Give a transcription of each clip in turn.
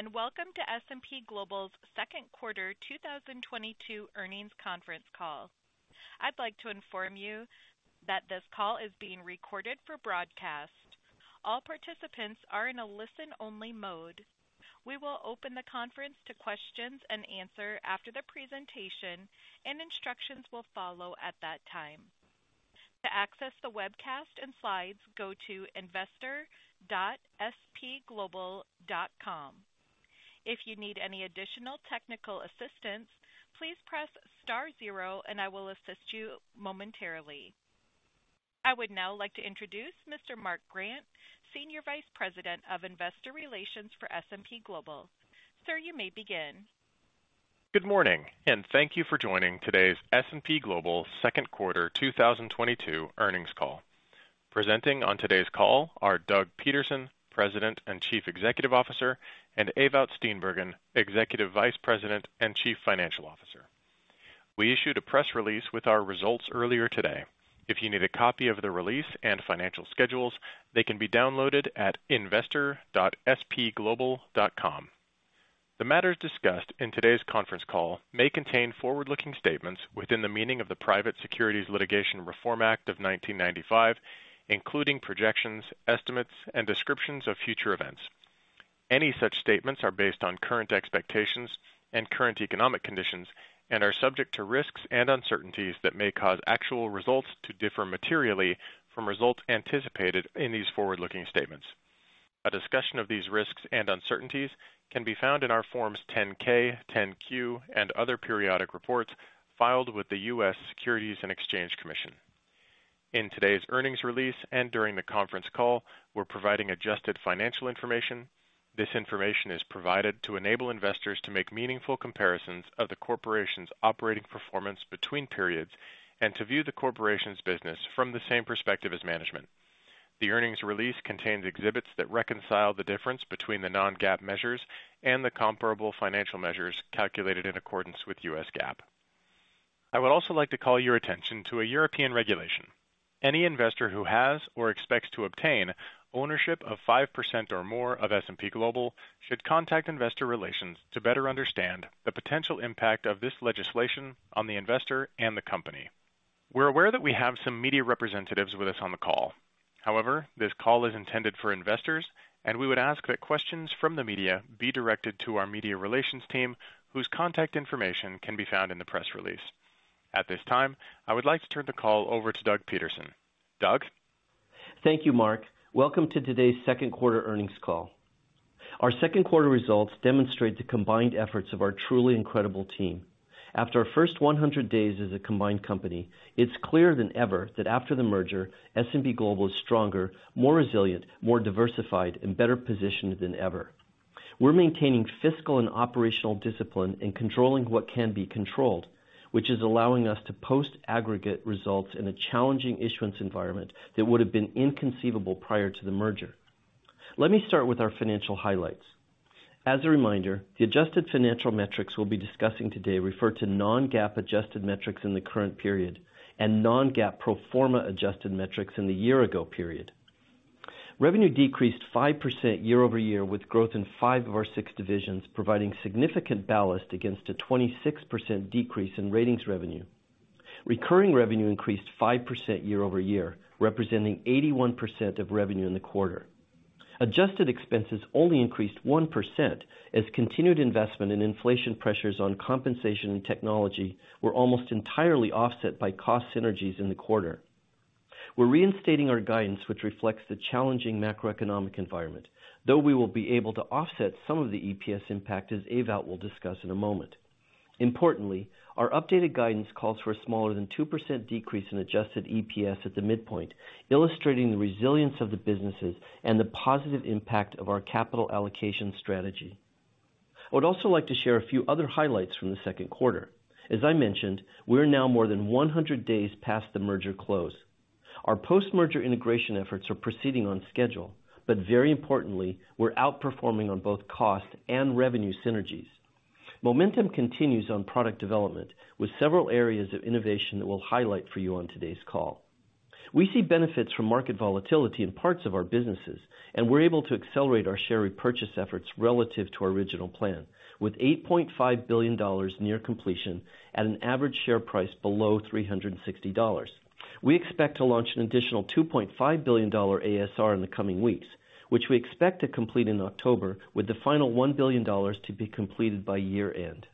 Good morning, and welcome to S&P Global's second quarter 2022 earnings conference call. I'd like to inform you that this call is being recorded for broadcast. All participants are in a listen-only mode. We will open the conference to questions and answer after the presentation and instructions will follow at that time. To access the webcast and slides, go to investor.spglobal.com. If you need any additional technical assistance, please press star zero and I will assist you momentarily. I would now like to introduce Mr. Mark Grant, Senior Vice President of Investor Relations for S&P Global. Sir, you may begin. Good morning, and thank you for joining today's S&P Global second quarter 2022 earnings call. Presenting on today's call are Doug Peterson, President and Chief Executive Officer, and Ewout Steenbergen, Executive Vice President and Chief Financial Officer. We issued a press release with our results earlier today. If you need a copy of the release and financial schedules, they can be downloaded at investor.spglobal.com. The matters discussed in today's conference call may contain forward-looking statements within the meaning of the Private Securities Litigation Reform Act of 1995, including projections, estimates, and descriptions of future events. Any such statements are based on current expectations and current economic conditions and are subject to risks and uncertainties that may cause actual results to differ materially from results anticipated in these forward-looking statements. A discussion of these risks and uncertainties can be found in our Forms 10-K, 10-Q, and other periodic reports filed with the U.S. Securities and Exchange Commission. In today's earnings release and during the conference call, we're providing adjusted financial information. This information is provided to enable investors to make meaningful comparisons of the corporation's operating performance between periods and to view the corporation's business from the same perspective as management. The earnings release contains exhibits that reconcile the difference between the non-GAAP measures and the comparable financial measures calculated in accordance with U.S. GAAP. I would also like to call your attention to a European regulation. Any investor who has or expects to obtain ownership of 5% or more of S&P Global should contact investor relations to better understand the potential impact of this legislation on the investor and the company. We're aware that we have some media representatives with us on the call. However, this call is intended for investors, and we would ask that questions from the media be directed to our media relations team, whose contact information can be found in the press release. At this time, I would like to turn the call over to Doug Peterson. Doug? Thank you, Mark. Welcome to today's second quarter earnings call. Our second quarter results demonstrate the combined efforts of our truly incredible team. After our first 100 days as a combined company, it's clearer than ever that after the merger, S&P Global is stronger, more resilient, more diversified, and better positioned than ever. We're maintaining fiscal and operational discipline and controlling what can be controlled, which is allowing us to post aggregate results in a challenging issuance environment that would have been inconceivable prior to the merger. Let me start with our financial highlights. As a reminder, the adjusted financial metrics we'll be discussing today refer to non-GAAP adjusted metrics in the current period and non-GAAP pro forma adjusted metrics in the year-ago period. Revenue decreased 5% year-over-year, with growth in five of our six divisions, providing significant ballast against a 26% decrease in ratings revenue. Recurring revenue increased 5% year-over-year, representing 81% of revenue in the quarter. Adjusted expenses only increased 1% as continued investment in inflation pressures on compensation and technology were almost entirely offset by cost synergies in the quarter. We're reinstating our guidance, which reflects the challenging macroeconomic environment, though we will be able to offset some of the EPS impact, as Ewout will discuss in a moment. Importantly, our updated guidance calls for a smaller than 2% decrease in adjusted EPS at the midpoint, illustrating the resilience of the businesses and the positive impact of our capital allocation strategy. I would also like to share a few other highlights from the second quarter. As I mentioned, we're now more than 100 days past the merger close. Our post-merger integration efforts are proceeding on schedule, but very importantly, we're outperforming on both cost and revenue synergies. Momentum continues on product development with several areas of innovation that we'll highlight for you on today's call. We see benefits from market volatility in parts of our businesses, and we're able to accelerate our share repurchase efforts relative to our original plan. With $8.5 billion near completion at an average share price below $360. We expect to launch an additional $2.5 billion ASR in the coming weeks, which we expect to complete in October, with the final $1 billion to be completed by year-end.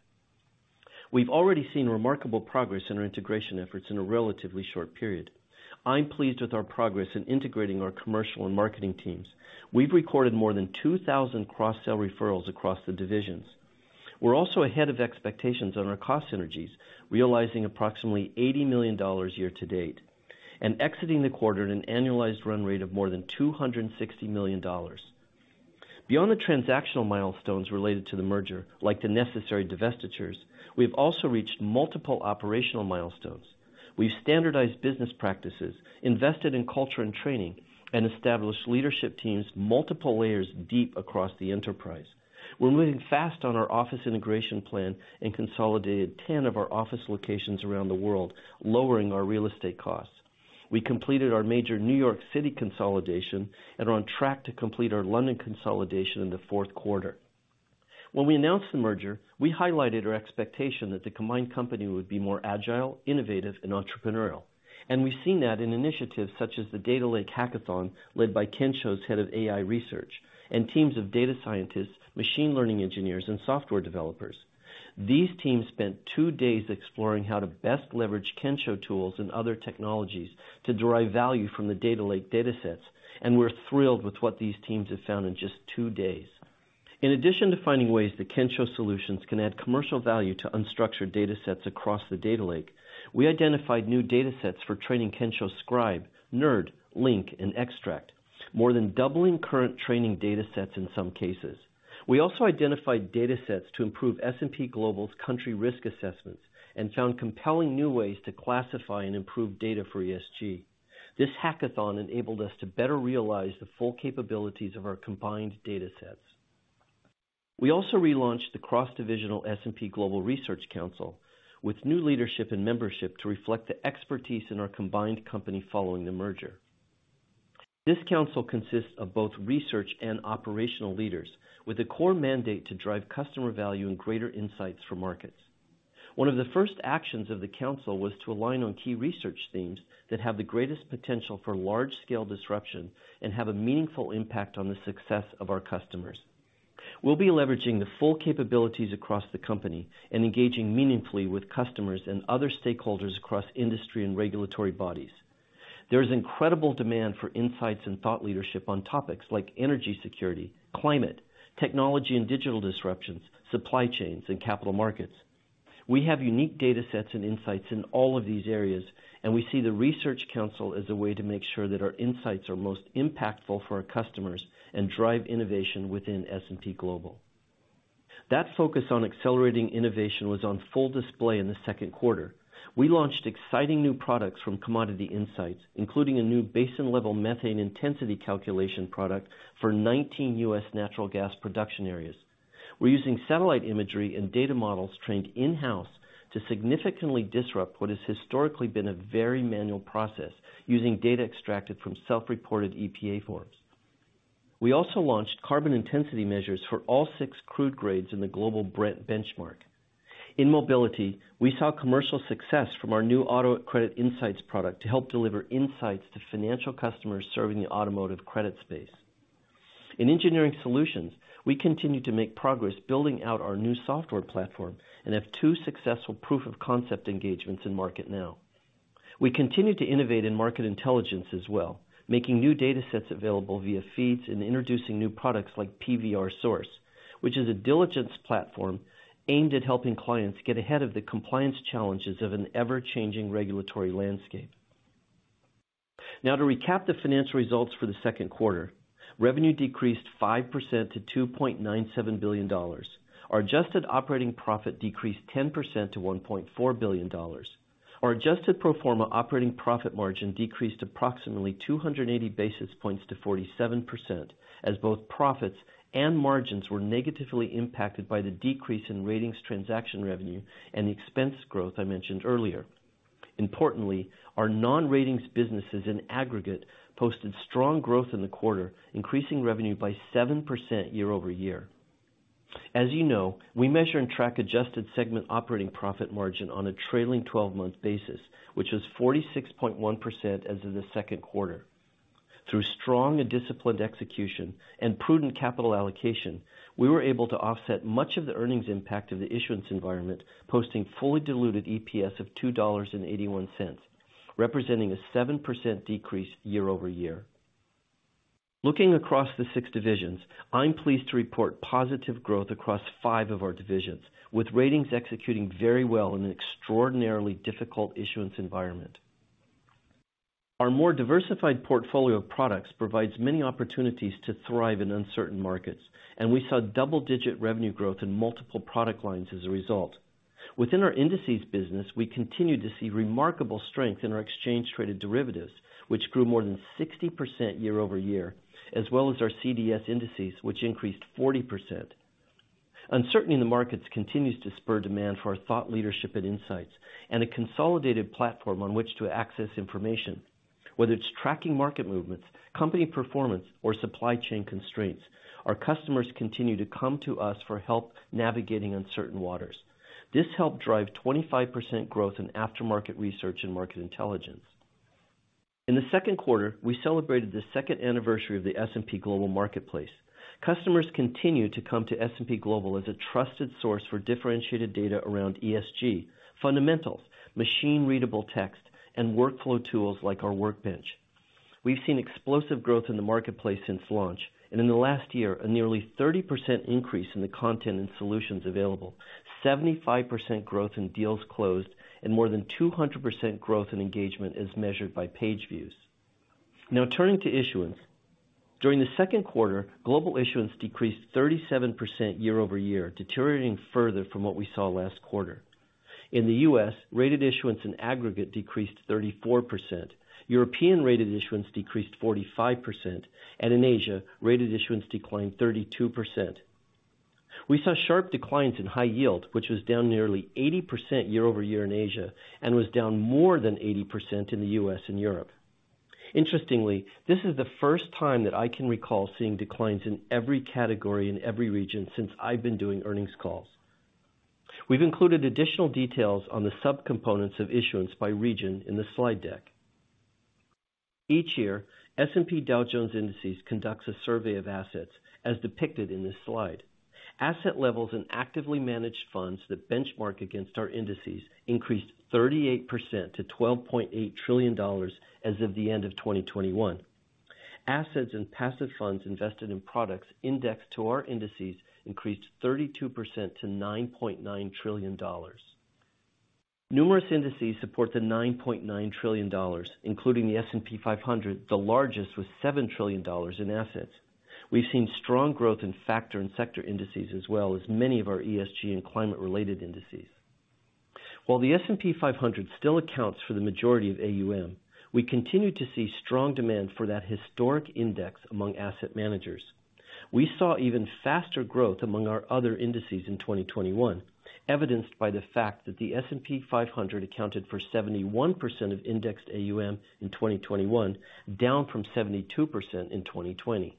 We've already seen remarkable progress in our integration efforts in a relatively short period. I'm pleased with our progress in integrating our commercial and marketing teams. We've recorded more than 2,000 cross-sell referrals across the divisions. We're also ahead of expectations on our cost synergies, realizing approximately $80 million year to date and exiting the quarter at an annualized run rate of more than $260 million. Beyond the transactional milestones related to the merger, like the necessary divestitures, we've also reached multiple operational milestones. We've standardized business practices, invested in culture and training, and established leadership teams multiple layers deep across the enterprise. We're moving fast on our office integration plan and consolidated 10 of our office locations around the world, lowering our real estate costs. We completed our major New York City consolidation and are on track to complete our London consolidation in the fourth quarter. When we announced the merger, we highlighted our expectation that the combined company would be more agile, innovative, and entrepreneurial. We've seen that in initiatives such as the Data Lake Hackathon led by Kensho's Head of AI Research and teams of data scientists, machine learning engineers, and software developers. These teams spent two days exploring how to best leverage Kensho tools and other technologies to derive value from the data lake datasets, and we're thrilled with what these teams have found in just two days. In addition to finding ways that Kensho solutions can add commercial value to unstructured datasets across the data lake, we identified new datasets for training Kensho Scribe, NERD, Link, and Extract, more than doubling current training datasets in some cases. We also identified datasets to improve S&P Global's country risk assessments and found compelling new ways to classify and improve data for ESG. This hackathon enabled us to better realize the full capabilities of our combined datasets. We also relaunched the cross-divisional S&P Global Research Council with new leadership and membership to reflect the expertise in our combined company following the merger. This council consists of both research and operational leaders with a core mandate to drive customer value and greater insights for markets. One of the first actions of the council was to align on key research themes that have the greatest potential for large-scale disruption and have a meaningful impact on the success of our customers. We'll be leveraging the full capabilities across the company and engaging meaningfully with customers and other stakeholders across industry and regulatory bodies. There is incredible demand for insights and thought leadership on topics like energy security, climate, technology and digital disruptions, supply chains, and capital markets. We have unique datasets and insights in all of these areas, and we see the Research Council as a way to make sure that our insights are most impactful for our customers and drive innovation within S&P Global. That focus on accelerating innovation was on full display in the second quarter. We launched exciting new products from Commodity Insights, including a new basin level methane intensity calculation product for 19 U.S. natural gas production areas. We're using satellite imagery and data models trained in-house to significantly disrupt what has historically been a very manual process using data extracted from self-reported EPA forms. We also launched carbon intensity measures for all six crude grades in the global Brent benchmark. In mobility, we saw commercial success from our new AutoCreditInsight product to help deliver insights to financial customers serving the automotive credit space. In Engineering Solutions, we continue to make progress building out our new software platform and have two successful proof-of-concept engagements in market now. We continue to innovate in Market Intelligence as well, making new datasets available via feeds and introducing new products like PVR Source, which is a diligence platform aimed at helping clients get ahead of the compliance challenges of an ever-changing regulatory landscape. Now, to recap the financial results for the second quarter, revenue decreased 5% to $2.97 billion. Our adjusted operating profit decreased 10% to $1.4 billion. Our adjusted pro forma operating profit margin decreased approximately 280 basis points to 47% as both profits and margins were negatively impacted by the decrease in ratings transaction revenue and the expense growth I mentioned earlier. Importantly, our non-ratings businesses in aggregate posted strong growth in the quarter, increasing revenue by 7% year-over-year. As you know, we measure and track adjusted segment operating profit margin on a trailing 12-month basis, which is 46.1% as of the second quarter. Through strong and disciplined execution and prudent capital allocation, we were able to offset much of the earnings impact of the issuance environment, posting fully diluted EPS of $2.81, representing a 7% decrease year-over-year. Looking across the 6 divisions, I'm pleased to report positive growth across five of our divisions, with ratings executing very well in an extraordinarily difficult issuance environment. Our more diversified portfolio of products provides many opportunities to thrive in uncertain markets, and we saw double-digit revenue growth in multiple product lines as a result. Within our indices business, we continued to see remarkable strength in our exchange traded derivatives, which grew more than 60% year-over-year, as well as our CDS indices, which increased 40%. Uncertainty in the markets continues to spur demand for our thought leadership and insights and a consolidated platform on which to access information. Whether it's tracking market movements, company performance, or supply chain constraints, our customers continue to come to us for help navigating uncertain waters. This helped drive 25% growth in Aftermarket Research and Market Intelligence. In the second quarter, we celebrated the second anniversary of the S&P Global Marketplace. Customers continue to come to S&P Global as a trusted source for differentiated data around ESG, fundamentals, machine-readable text, and workflow tools like our Workbench. We've seen explosive growth in the marketplace since launch, and in the last year, a nearly 30% increase in the content and solutions available, 75% growth in deals closed, and more than 200% growth in engagement as measured by page views. Now turning to issuance. During the second quarter, global issuance decreased 37% year-over-year, deteriorating further from what we saw last quarter. In the U.S., rated issuance in aggregate decreased 34%. European rated issuance decreased 45%. In Asia, rated issuance declined 32%. We saw sharp declines in high yield, which was down nearly 80% year-over-year in Asia, and was down more than 80% in the U.S. and Europe. Interestingly, this is the first time that I can recall seeing declines in every category in every region since I've been doing earnings calls. We've included additional details on the subcomponents of issuance by region in the slide deck. Each year, S&P Dow Jones Indices conducts a survey of assets as depicted in this slide. Asset levels in actively managed funds that benchmark against our indices increased 38% to $12.8 trillion as of the end of 2021. Assets in passive funds invested in products indexed to our indices increased 32% to $9.9 trillion. Numerous indices support the $9.9 trillion, including the S&P 500, the largest with $7 trillion in assets. We've seen strong growth in factor and sector indices, as well as many of our ESG and climate-related indices. While the S&P 500 still accounts for the majority of AUM, we continue to see strong demand for that historic index among asset managers. We saw even faster growth among our other indices in 2021, evidenced by the fact that the S&P 500 accounted for 71% of indexed AUM in 2021, down from 72% in 2020.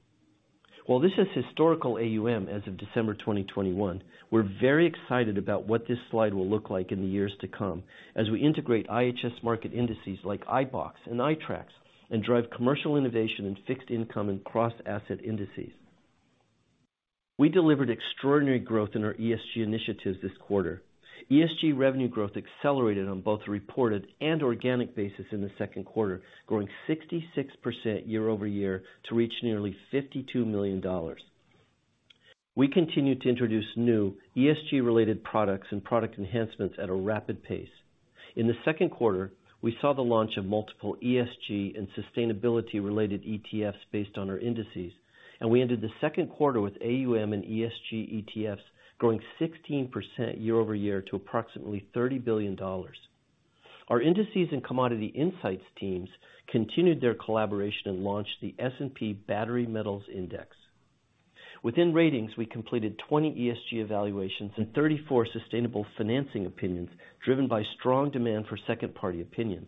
While this is historical AUM as of December 2021, we're very excited about what this slide will look like in the years to come as we integrate IHS Markit indices like iBoxx and iTraxx and drive commercial innovation in fixed income and cross-asset indices. We delivered extraordinary growth in our ESG initiatives this quarter. ESG revenue growth accelerated on both a reported and organic basis in the second quarter, growing 66% year-over-year to reach nearly $52 million. We continue to introduce new ESG-related products and product enhancements at a rapid pace. In the second quarter, we saw the launch of multiple ESG and sustainability-related ETFs based on our indices, and we ended the second quarter with AUM and ESG ETFs growing 16% year-over-year to approximately $30 billion. Our indices and commodity insights teams continued their collaboration and launched the S&P Global Core Battery Metals Index. Within ratings, we completed 20 ESG evaluations and 34 sustainable financing opinions, driven by strong demand for second-party opinions.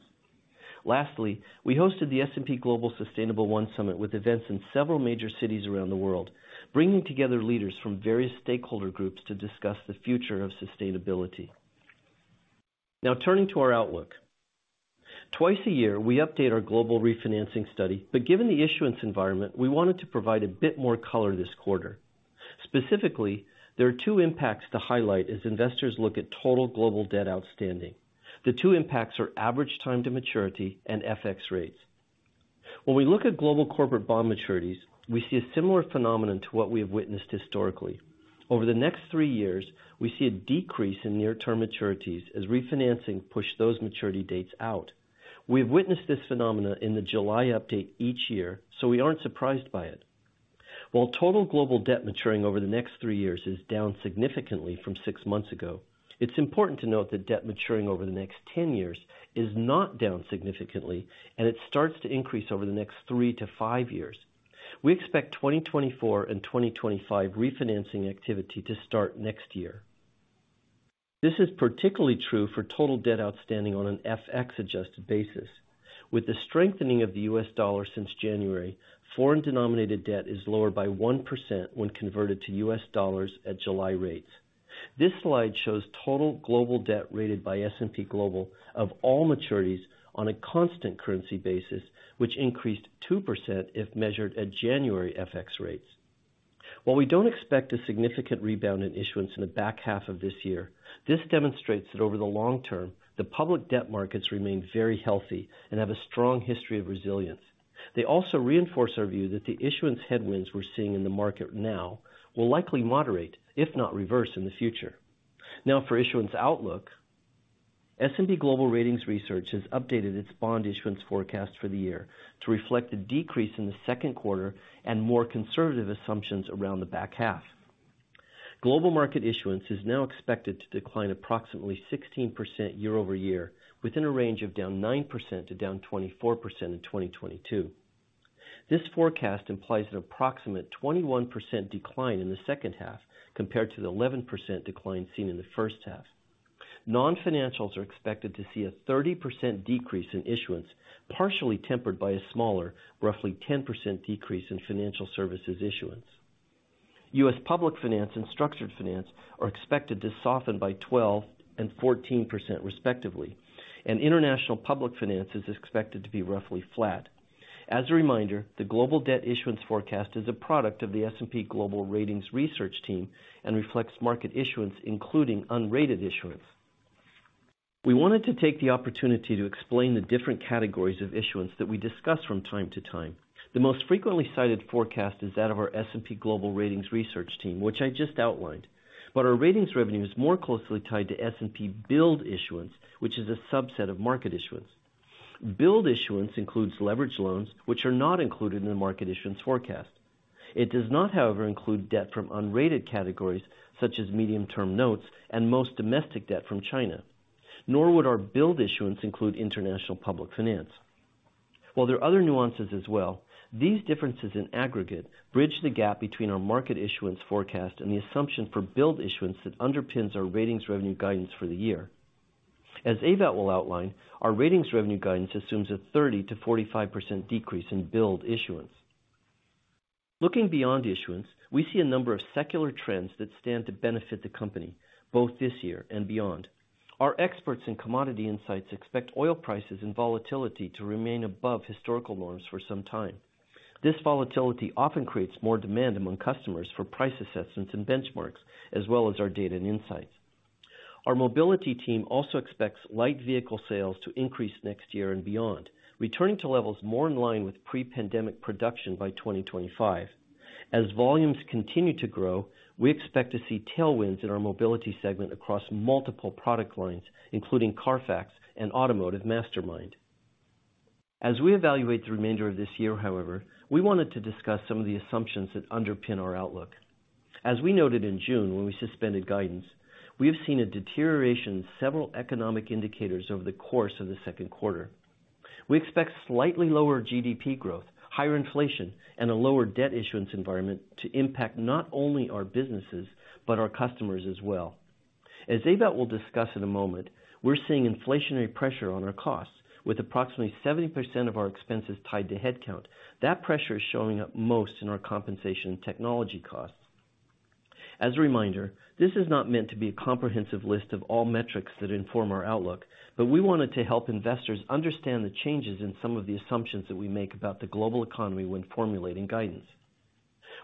Lastly, we hosted the S&P Global Sustainable1 Summit with events in several major cities around the world, bringing together leaders from various stakeholder groups to discuss the future of sustainability. Now turning to our outlook. Twice a year, we update our global refinancing study, but given the issuance environment, we wanted to provide a bit more color this quarter. Specifically, there are two impacts to highlight as investors look at total global debt outstanding. The two impacts are average time to maturity and FX rates. When we look at global corporate bond maturities, we see a similar phenomenon to what we have witnessed historically. Over the next three years, we see a decrease in near-term maturities as refinancing pushed those maturity dates out. We have witnessed this phenomenon in the July update each year, so we aren't surprised by it. While total global debt maturing over the next three years is down significantly from six months ago, it's important to note that debt maturing over the next 10 years is not down significantly, and it starts to increase over the next 3-5 years. We expect 2024 and 2025 refinancing activity to start next year. This is particularly true for total debt outstanding on an FX-adjusted basis. With the strengthening of the U.S. dollar since January, foreign denominated debt is lower by 1% when converted to U.S. dollars at July rates. This slide shows total global debt rated by S&P Global of all maturities on a constant currency basis, which increased 2% if measured at January FX rates. While we don't expect a significant rebound in issuance in the back half of this year, this demonstrates that over the long term, the public debt markets remain very healthy and have a strong history of resilience. They also reinforce our view that the issuance headwinds we're seeing in the market now will likely moderate, if not reverse, in the future. Now for issuance outlook. S&P Global Ratings Research has updated its bond issuance forecast for the year to reflect a decrease in the second quarter and more conservative assumptions around the back half. Global market issuance is now expected to decline approximately 16% year-over-year within a range of down 9% to down 24% in 2022. This forecast implies an approximate 21% decline in the second half compared to the 11% decline seen in the first half. Non-financials are expected to see a 30% decrease in issuance, partially tempered by a smaller, roughly 10% decrease in financial services issuance. U.S. public finance and structured finance are expected to soften by 12% and 14% respectively, and international public finance is expected to be roughly flat. As a reminder, the global debt issuance forecast is a product of the S&P Global Ratings research team and reflects market issuance, including unrated issuance. We wanted to take the opportunity to explain the different categories of issuance that we discuss from time to time. The most frequently cited forecast is that of our S&P Global Ratings research team, which I just outlined. Our ratings revenue is more closely tied to S&P billed issuance, which is a subset of market issuance. Billed issuance includes leverage loans, which are not included in the market issuance forecast. It does not, however, include debt from unrated categories such as medium-term notes and most domestic debt from China. Nor would our billed issuance include international public finance. While there are other nuances as well, these differences in aggregate bridge the gap between our market issuance forecast and the assumption for billed issuance that underpins our ratings revenue guidance for the year. As Ewout will outline, our ratings revenue guidance assumes a 30%-45% decrease in billed issuance. Looking beyond issuance, we see a number of secular trends that stand to benefit the company, both this year and beyond. Our experts in commodity insights expect oil prices and volatility to remain above historical norms for some time. This volatility often creates more demand among customers for price assessments and benchmarks, as well as our data and insights. Our mobility team also expects light vehicle sales to increase next year and beyond, returning to levels more in line with pre-pandemic production by 2025. As volumes continue to grow, we expect to see tailwinds in our mobility segment across multiple product lines, including CARFAX and automotiveMastermind. As we evaluate the remainder of this year, however, we wanted to discuss some of the assumptions that underpin our outlook. As we noted in June when we suspended guidance, we have seen a deterioration in several economic indicators over the course of the second quarter. We expect slightly lower GDP growth, higher inflation, and a lower debt issuance environment to impact not only our businesses, but our customers as well. As Ewout will discuss in a moment, we're seeing inflationary pressure on our costs, with approximately 70% of our expenses tied to headcount. That pressure is showing up most in our compensation and technology costs. As a reminder, this is not meant to be a comprehensive list of all metrics that inform our outlook, but we wanted to help investors understand the changes in some of the assumptions that we make about the global economy when formulating guidance.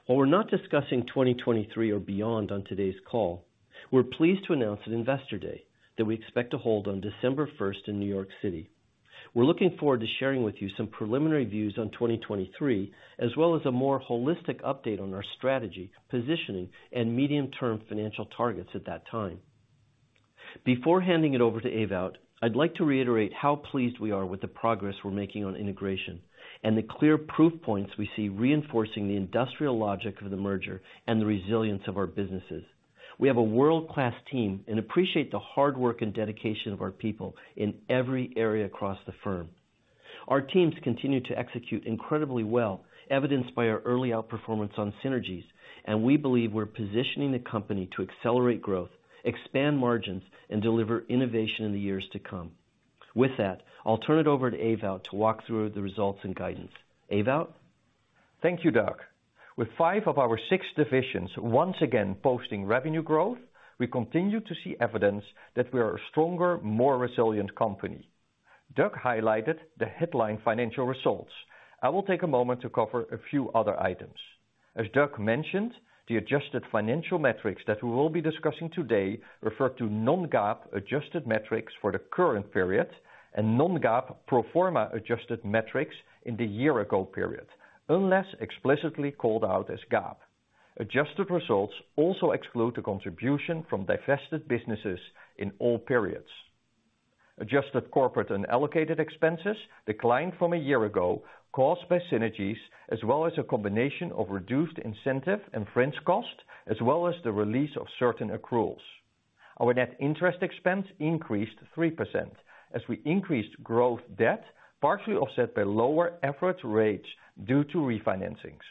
While we're not discussing 2023 or beyond on today's call, we're pleased to announce an investor day that we expect to hold on December first in New York City. We're looking forward to sharing with you some preliminary views on 2023, as well as a more holistic update on our strategy, positioning, and medium-term financial targets at that time. Before handing it over to Ewout, I'd like to reiterate how pleased we are with the progress we're making on integration and the clear proof points we see reinforcing the industrial logic of the merger and the resilience of our businesses. We have a world-class team and appreciate the hard work and dedication of our people in every area across the firm. Our teams continue to execute incredibly well, evidenced by our early outperformance on synergies, and we believe we're positioning the company to accelerate growth, expand margins, and deliver innovation in the years to come. With that, I'll turn it over to Ewout to walk through the results and guidance. Ewout? Thank you, Doug. With five of our six divisions once again posting revenue growth, we continue to see evidence that we are a stronger, more resilient company. Doug highlighted the headline financial results. I will take a moment to cover a few other items. As Doug mentioned, the adjusted financial metrics that we will be discussing today refer to non-GAAP adjusted metrics for the current period and non-GAAP pro forma adjusted metrics in the year-ago period, unless explicitly called out as GAAP. Adjusted results also exclude the contribution from divested businesses in all periods. Adjusted corporate unallocated expenses declined from a year ago, caused by synergies, as well as a combination of reduced incentive and fringe costs, as well as the release of certain accruals. Our net interest expense increased 3% as we increased our debt, partially offset by lower interest rates due to refinancings.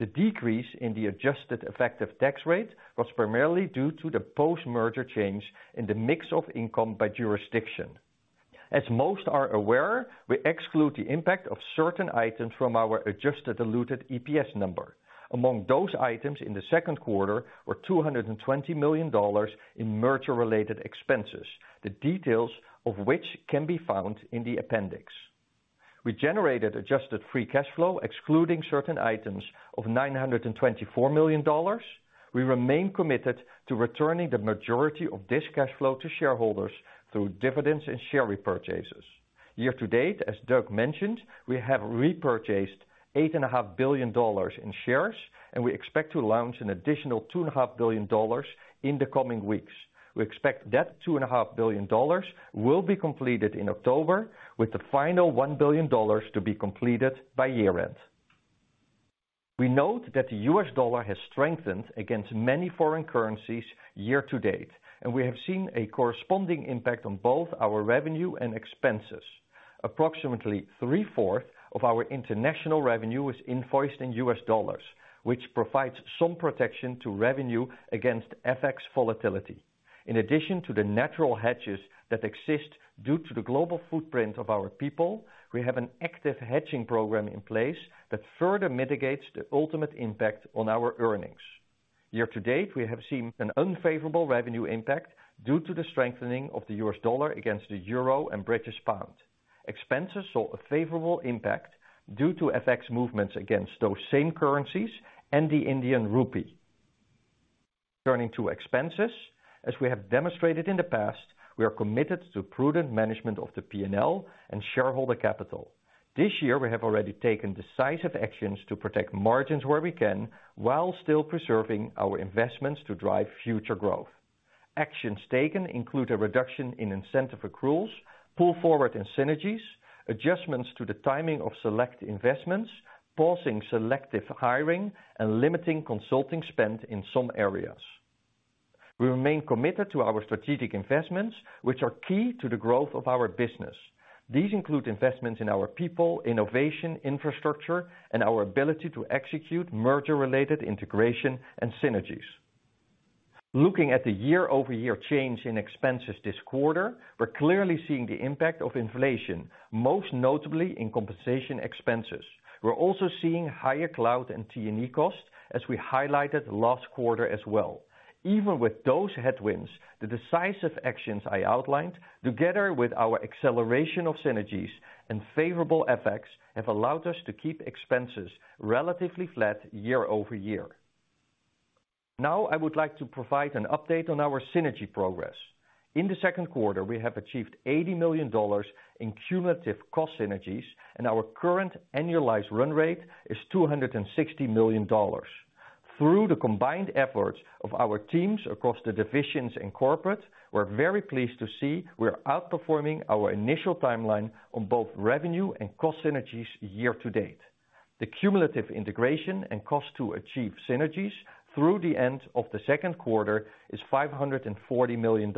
The decrease in the adjusted effective tax rate was primarily due to the post-merger change in the mix of income by jurisdiction. As most are aware, we exclude the impact of certain items from our adjusted diluted EPS number. Among those items in the second quarter were $220 million in merger-related expenses, the details of which can be found in the appendix. We generated adjusted free cash flow, excluding certain items, of $924 million. We remain committed to returning the majority of this cash flow to shareholders through dividends and share repurchases. Year to date, as Doug mentioned, we have repurchased $8.5 billion in shares, and we expect to launch an additional $2.5 billion in the coming weeks. We expect that $2.5 billion will be completed in October, with the final $1 billion to be completed by year-end. We note that the U.S. dollar has strengthened against many foreign currencies year to date, and we have seen a corresponding impact on both our revenue and expenses. Approximately three-fourths of our international revenue is invoiced in U.S. dollars, which provides some protection to revenue against FX volatility. In addition to the natural hedges that exist due to the global footprint of our people, we have an active hedging program in place that further mitigates the ultimate impact on our earnings. Year to date, we have seen an unfavorable revenue impact due to the strengthening of the U.S. dollar against the euro and British pound. Expenses saw a favorable impact due to FX movements against those same currencies and the Indian rupee. Turning to expenses, as we have demonstrated in the past, we are committed to prudent management of the P&L and shareholder capital. This year, we have already taken decisive actions to protect margins where we can while still preserving our investments to drive future growth. Actions taken include a reduction in incentive accruals, pull forward in synergies, adjustments to the timing of select investments, pausing selective hiring, and limiting consulting spend in some areas. We remain committed to our strategic investments, which are key to the growth of our business. These include investments in our people, innovation, infrastructure, and our ability to execute merger-related integration and synergies. Looking at the year-over-year change in expenses this quarter, we're clearly seeing the impact of inflation, most notably in compensation expenses. We're also seeing higher cloud and T&E costs, as we highlighted last quarter as well. Even with those headwinds, the decisive actions I outlined, together with our acceleration of synergies and favorable FX, have allowed us to keep expenses relatively flat year-over-year. Now, I would like to provide an update on our synergy progress. In the second quarter, we have achieved $80 million in cumulative cost synergies, and our current annualized run rate is $260 million. Through the combined efforts of our teams across the divisions in corporate, we're very pleased to see we're outperforming our initial timeline on both revenue and cost synergies year-to-date. The cumulative integration and cost to achieve synergies through the end of the second quarter is $540 million.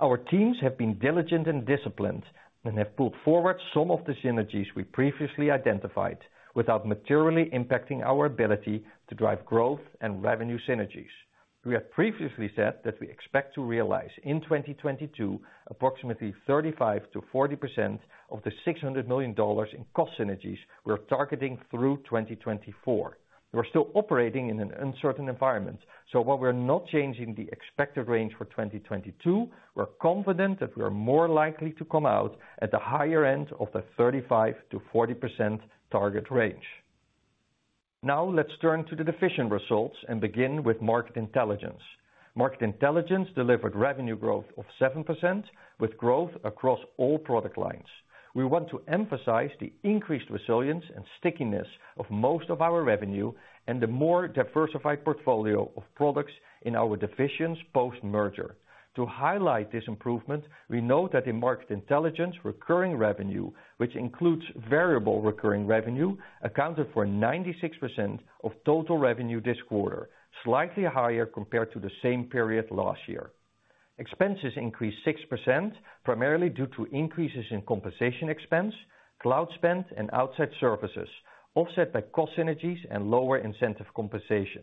Our teams have been diligent and disciplined, and have pulled forward some of the synergies we previously identified without materially impacting our ability to drive growth and revenue synergies. We have previously said that we expect to realize in 2022 approximately 35%-40% of the $600 million in cost synergies we're targeting through 2024. We're still operating in an uncertain environment, so while we're not changing the expected range for 2022, we're confident that we are more likely to come out at the higher end of the 35%-40% target range. Now, let's turn to the division results, and begin with Market Intelligence. Market Intelligence delivered revenue growth of 7% with growth across all product lines. We want to emphasize the increased resilience and stickiness of most of our revenue and the more diversified portfolio of products in our divisions post-merger. To highlight this improvement, we know that in Market Intelligence recurring revenue, which includes variable recurring revenue, accounted for 96% of total revenue this quarter, slightly higher compared to the same period last year. Expenses increased 6%, primarily due to increases in compensation expense, cloud spend, and outside services, offset by cost synergies and lower incentive compensation.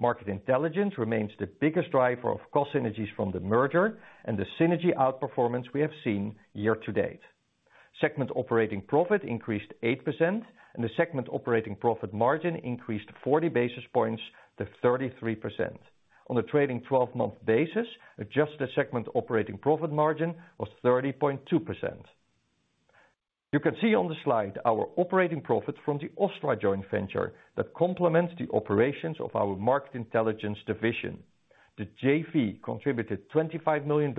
Market Intelligence remains the biggest driver of cost synergies from the merger and the synergy outperformance we have seen year-to-date. Segment operating profit increased 8%, and the segment operating profit margin increased 40 basis points to 33%. On a trading twelve-month basis, adjusted segment operating profit margin was 30.2%. You can see on the slide our operating profit from the OSTTRA joint venture that complements the operations of our Market Intelligence division. The JV contributed $25 million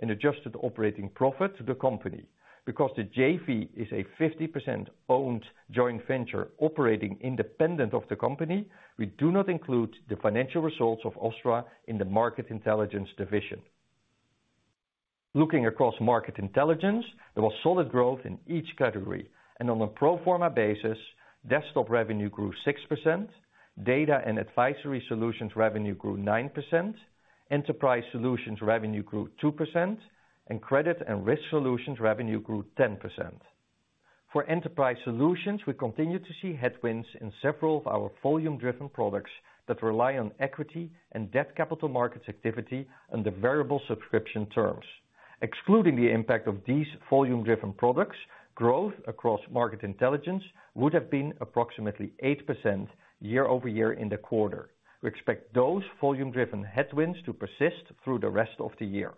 in adjusted operating profit to the company. Because the JV is a 50% owned joint venture operating independent of the company, we do not include the financial results of OSTTRA in the Market Intelligence division. Looking across Market Intelligence, there was solid growth in each category. On a pro forma basis, Desktop revenue grew 6%, Data and Advisory Solutions revenue grew 9%, Enterprise Solutions revenue grew 2%, and Credit and Risk Solutions revenue grew 10%. For Enterprise Solutions, we continue to see headwinds in several of our volume-driven products that rely on equity and debt capital markets activity under variable subscription terms. Excluding the impact of these volume-driven products, growth across Market Intelligence would have been approximately 8% year-over-year in the quarter. We expect those volume-driven headwinds to persist through the rest of the year.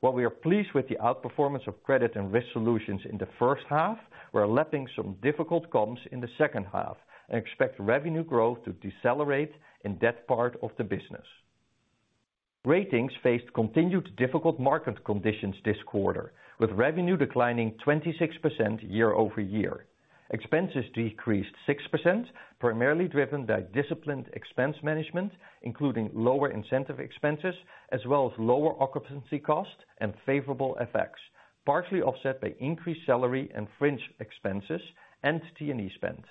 While we are pleased with the outperformance of Credit and Risk Solutions in the first half, we're lapping some difficult comps in the second half and expect revenue growth to decelerate in that part of the business. Ratings faced continued difficult market conditions this quarter, with revenue declining 26% year-over-year. Expenses decreased 6%, primarily driven by disciplined expense management, including lower incentive expenses as well as lower occupancy costs and favorable FX, partially offset by increased salary and fringe expenses and T&E spend.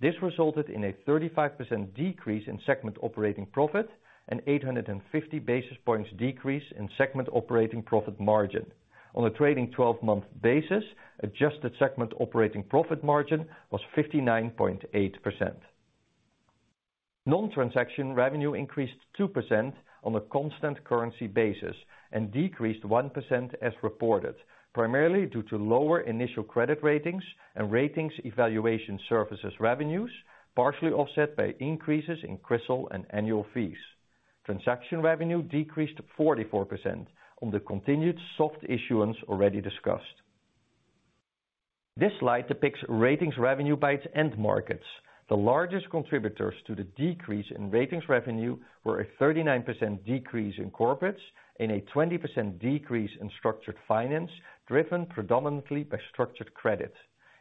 This resulted in a 35% decrease in segment operating profit and 850 basis points decrease in segment operating profit margin. On a trading twelve-month basis, adjusted segment operating profit margin was 59.8%. Non-transaction revenue increased 2% on a constant currency basis and decreased 1% as reported, primarily due to lower initial credit ratings and Ratings Evaluation Services revenues, partially offset by increases in CRISIL and annual fees. Transaction revenue decreased 44% on the continued soft issuance already discussed. This slide depicts Ratings revenue by its end markets. The largest contributors to the decrease in Ratings revenue were a 39% decrease in corporates and a 20% decrease in structured finance, driven predominantly by structured credit.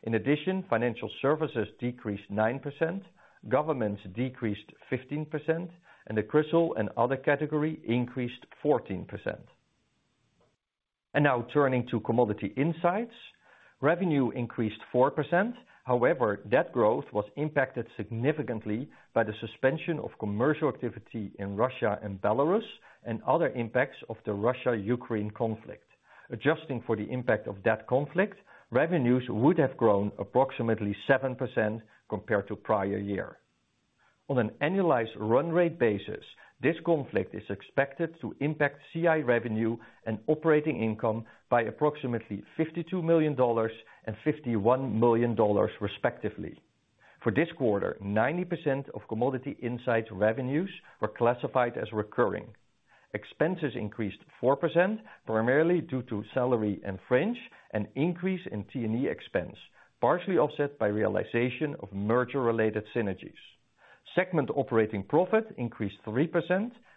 In addition, financial services decreased 9%, governments decreased 15%, and the CRISIL and other category increased 14%. Now turning to Commodity Insights. Revenue increased 4%. However, that growth was impacted significantly by the suspension of commercial activity in Russia and Belarus, and other impacts of the Russia-Ukraine conflict. Adjusting for the impact of that conflict, revenues would have grown approximately 7% compared to prior year. On an annualized run rate basis, this conflict is expected to impact CI revenue and operating income by approximately $52 million and $51 million respectively. For this quarter, 90% of Commodity Insights revenues were classified as recurring. Expenses increased 4%, primarily due to salary and fringe, an increase in T&E expense, partially offset by realization of merger-related synergies. Segment operating profit increased 3%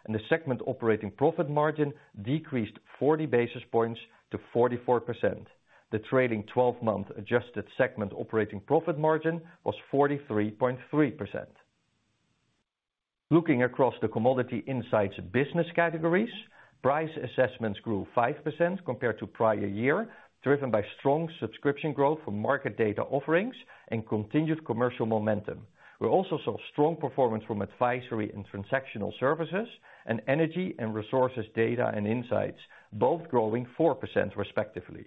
and the segment operating profit margin decreased 40 basis points to 44%. The trailing twelve-month adjusted segment operating profit margin was 43.3%. Looking across the Commodity Insights business categories, price assessments grew 5% compared to prior year, driven by strong subscription growth from market data offerings and continued commercial momentum. We also saw strong performance from advisory and transactional services and energy and resources data and insights, both growing 4% respectively.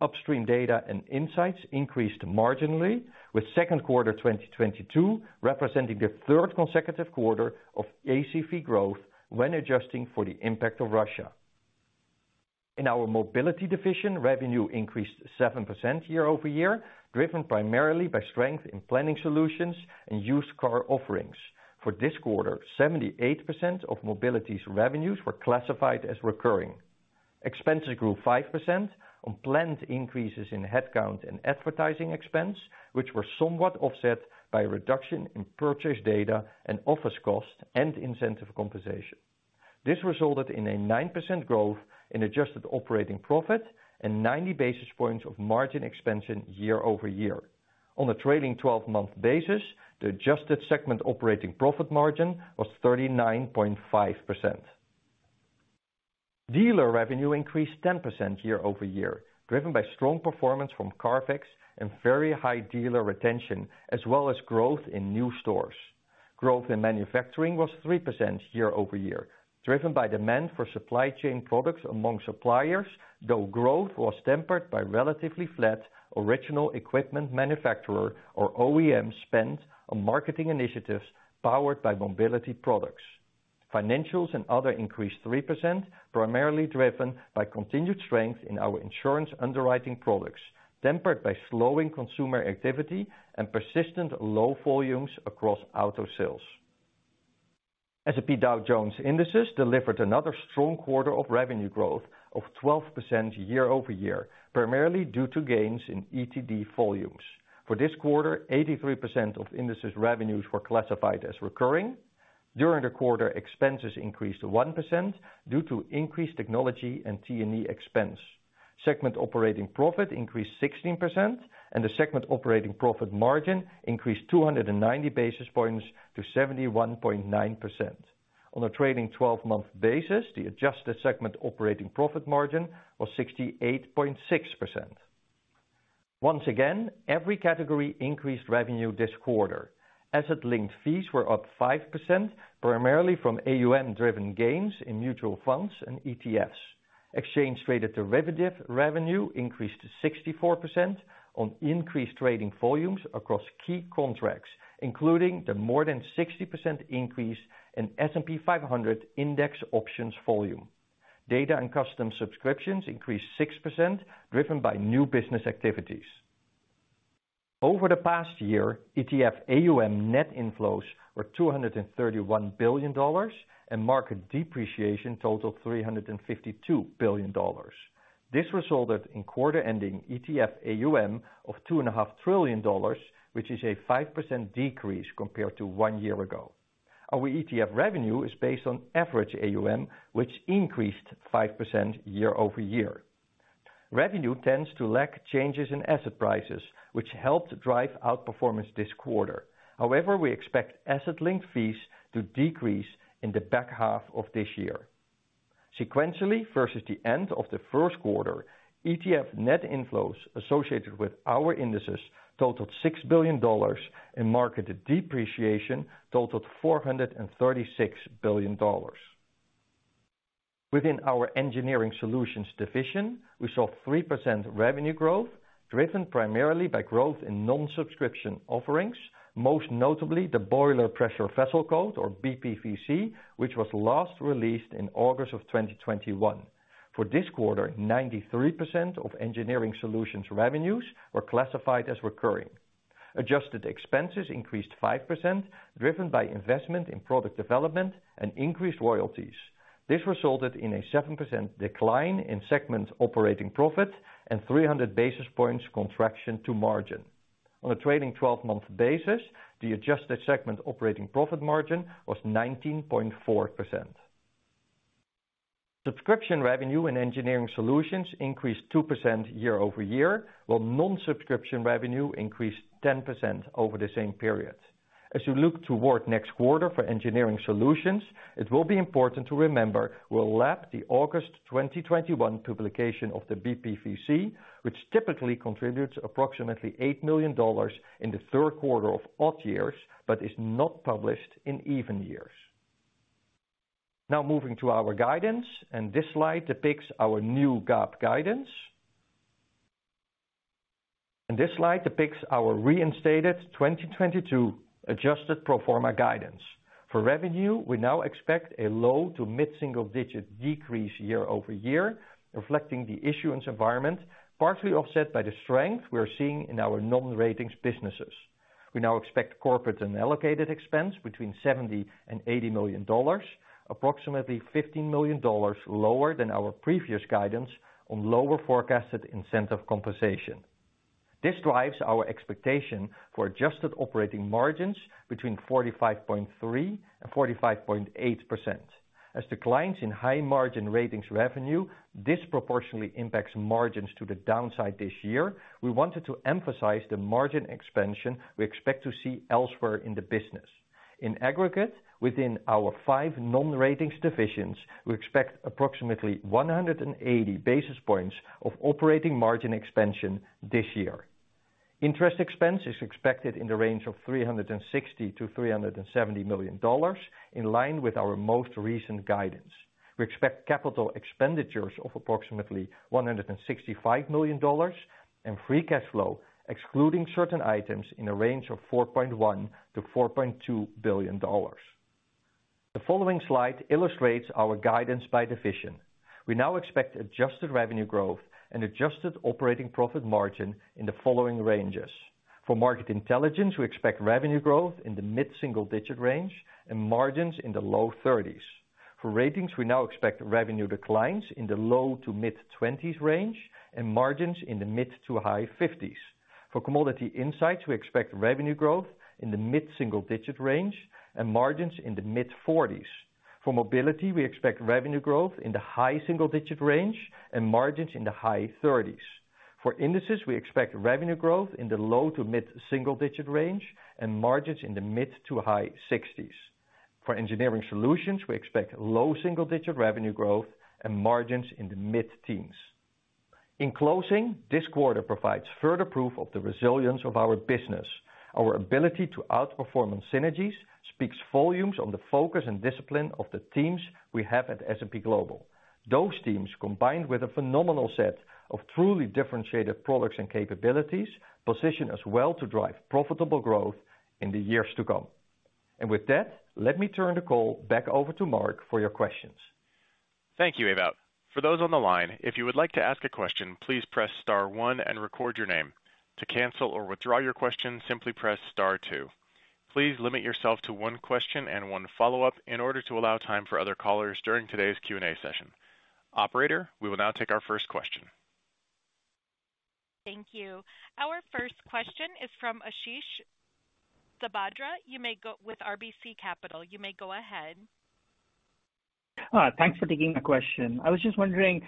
Upstream data and insights increased marginally with second quarter 2022 representing the third consecutive quarter of ACV growth when adjusting for the impact of Russia. In our Mobility division, revenue increased 7% year-over-year, driven primarily by strength in planning solutions and used car offerings. For this quarter, 78% of Mobility's revenues were classified as recurring. Expenses grew 5% on planned increases in headcount and advertising expense, which were somewhat offset by a reduction in purchase data and office costs and incentive compensation. This resulted in a 9% growth in adjusted operating profit and 90 basis points of margin expansion year-over-year. On a trailing twelve-month basis, the adjusted segment operating profit margin was 39.5%. Dealer revenue increased 10% year-over-year, driven by strong performance from CARFAX and very high dealer retention, as well as growth in new stores. Growth in manufacturing was 3% year-over-year, driven by demand for supply chain products among suppliers, though growth was tempered by relatively flat original equipment manufacturer or OEM spend on marketing initiatives powered by Mobility products. Financials and other increased 3%, primarily driven by continued strength in our insurance underwriting products, tempered by slowing consumer activity and persistent low volumes across auto sales. S&P Dow Jones Indices delivered another strong quarter of revenue growth of 12% year-over-year, primarily due to gains in ETD volumes. For this quarter, 83% of Indices revenues were classified as recurring. During the quarter, expenses increased 1% due to increased technology and T&E expense. Segment operating profit increased 16%, and the segment operating profit margin increased 290 basis points to 71.9%. On a trailing twelve-month basis, the adjusted segment operating profit margin was 68.6%. Once again, every category increased revenue this quarter. Asset-linked fees were up 5%, primarily from AUM-driven gains in mutual funds and ETFs. Exchange-traded derivative revenue increased 64% on increased trading volumes across key contracts, including the more than 60% increase in S&P 500 index options volume. Data and custom subscriptions increased 6% driven by new business activities. Over the past year, ETF AUM net inflows were $231 billion and market depreciation totaled $352 billion. This resulted in quarter-ending ETF AUM of $2.5 trillion, which is a 5% decrease compared to one year ago. Our ETF revenue is based on average AUM, which increased 5% year-over-year. Revenue tends to lag changes in asset prices, which helped drive outperformance this quarter. However, we expect asset-linked fees to decrease in the back half of this year. Sequentially versus the end of the first quarter, ETF net inflows associated with our indices totaled $6 billion, and market depreciation totaled $436 billion. Within our Engineering Solutions division, we saw 3% revenue growth, driven primarily by growth in non-subscription offerings, most notably the Boiler and Pressure Vessel Code, or BPVC, which was last released in August 2021. For this quarter, 93% of Engineering Solutions revenues were classified as recurring. Adjusted expenses increased 5%, driven by investment in product development and increased royalties. This resulted in a 7% decline in segment operating profit and 300 basis points contraction to margin. On a trailing twelve-month basis, the adjusted segment operating profit margin was 19.4%. Subscription revenue in Engineering Solutions increased 2% year-over-year, while non-subscription revenue increased 10% over the same period. As you look toward next quarter for Engineering Solutions, it will be important to remember we'll lap the August 2021 publication of the BPVC, which typically contributes approximately $8 million in the third quarter of odd years but is not published in even years. Now moving to our guidance, this slide depicts our new GAAP guidance. This slide depicts our reinstated 2022 adjusted pro forma guidance. For revenue, we now expect a low to mid-single digit decrease year-over-year, reflecting the issuance environment, partially offset by the strength we are seeing in our non-ratings businesses. We now expect corporate and allocated expense between $70 million and $80 million, approximately $15 million lower than our previous guidance on lower forecasted incentive compensation. This drives our expectation for adjusted operating margins between 45.3% and 45.8%. As declines in high margin ratings revenue disproportionately impacts margins to the downside this year, we wanted to emphasize the margin expansion we expect to see elsewhere in the business. In aggregate, within our five non-ratings divisions, we expect approximately 180 basis points of operating margin expansion this year. Interest expense is expected in the range of $360 million-$370 million, in line with our most recent guidance. We expect capital expenditures of approximately $165 million and free cash flow excluding certain items in a range of $4.1 billion-$4.2 billion. The following slide illustrates our guidance by division. We now expect adjusted revenue growth and adjusted operating profit margin in the following ranges. For Market Intelligence, we expect revenue growth in the mid-single-digit range and margins in the low 30s. For Ratings, we now expect revenue declines in the low- to mid-20s range and margins in the mid- to high 50s. For Commodity Insights, we expect revenue growth in the mid-single-digit range and margins in the mid-40s. For Mobility, we expect revenue growth in the high single-digit range and margins in the high 30s. For Indices, we expect revenue growth in the low- to mid-single-digit range and margins in the mid- to high 60s. For Engineering Solutions, we expect low single-digit revenue growth and margins in the mid-teens. In closing, this quarter provides further proof of the resilience of our business. Our ability to outperform on synergies speaks volumes on the focus and discipline of the teams we have at S&P Global. Those teams, combined with a phenomenal set of truly differentiated products and capabilities, position us well to drive profitable growth in the years to come. With that, let me turn the call back over to Mark for your questions. Thank you, Ewout. For those on the line, if you would like to ask a question, please press star one and record your name. To cancel or withdraw your question, simply press star two. Please limit yourself to one question and one follow-up in order to allow time for other callers during today's Q&A session. Operator, we will now take our first question. Thank you. Our first question is from Ashish Sabadra with RBC Capital. You may go ahead. Thanks for taking my question. I was just wondering,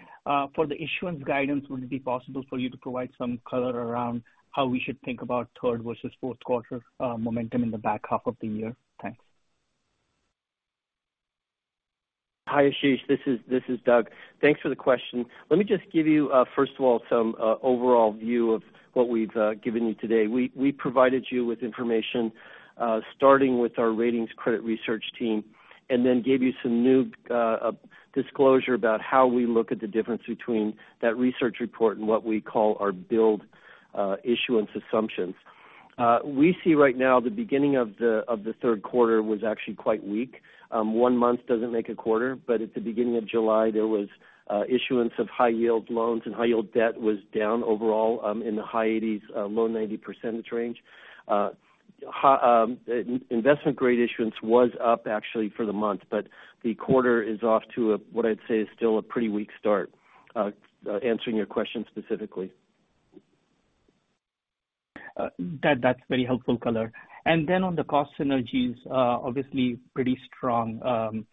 for the issuance guidance, would it be possible for you to provide some color around how we should think about third versus fourth quarter, momentum in the back half of the year? Thanks. Hi, Ashish. This is Doug. Thanks for the question. Let me just give you first of all some overall view of what we've given you today. We provided you with information starting with our Ratings credit research team, and then gave you some new disclosure about how we look at the difference between that research report and what we call our billed issuance assumptions. We see right now the beginning of the third quarter was actually quite weak. One month doesn't make a quarter, but at the beginning of July, there was issuance of high-yield loans, and high-yield debt was down overall in the high 80s-low 90s percentage range. Investment-grade issuance was up actually for the month, but the quarter is off to a what I'd say is still a pretty weak start, answering your question specifically. That's very helpful color. Then on the cost synergies, obviously pretty strong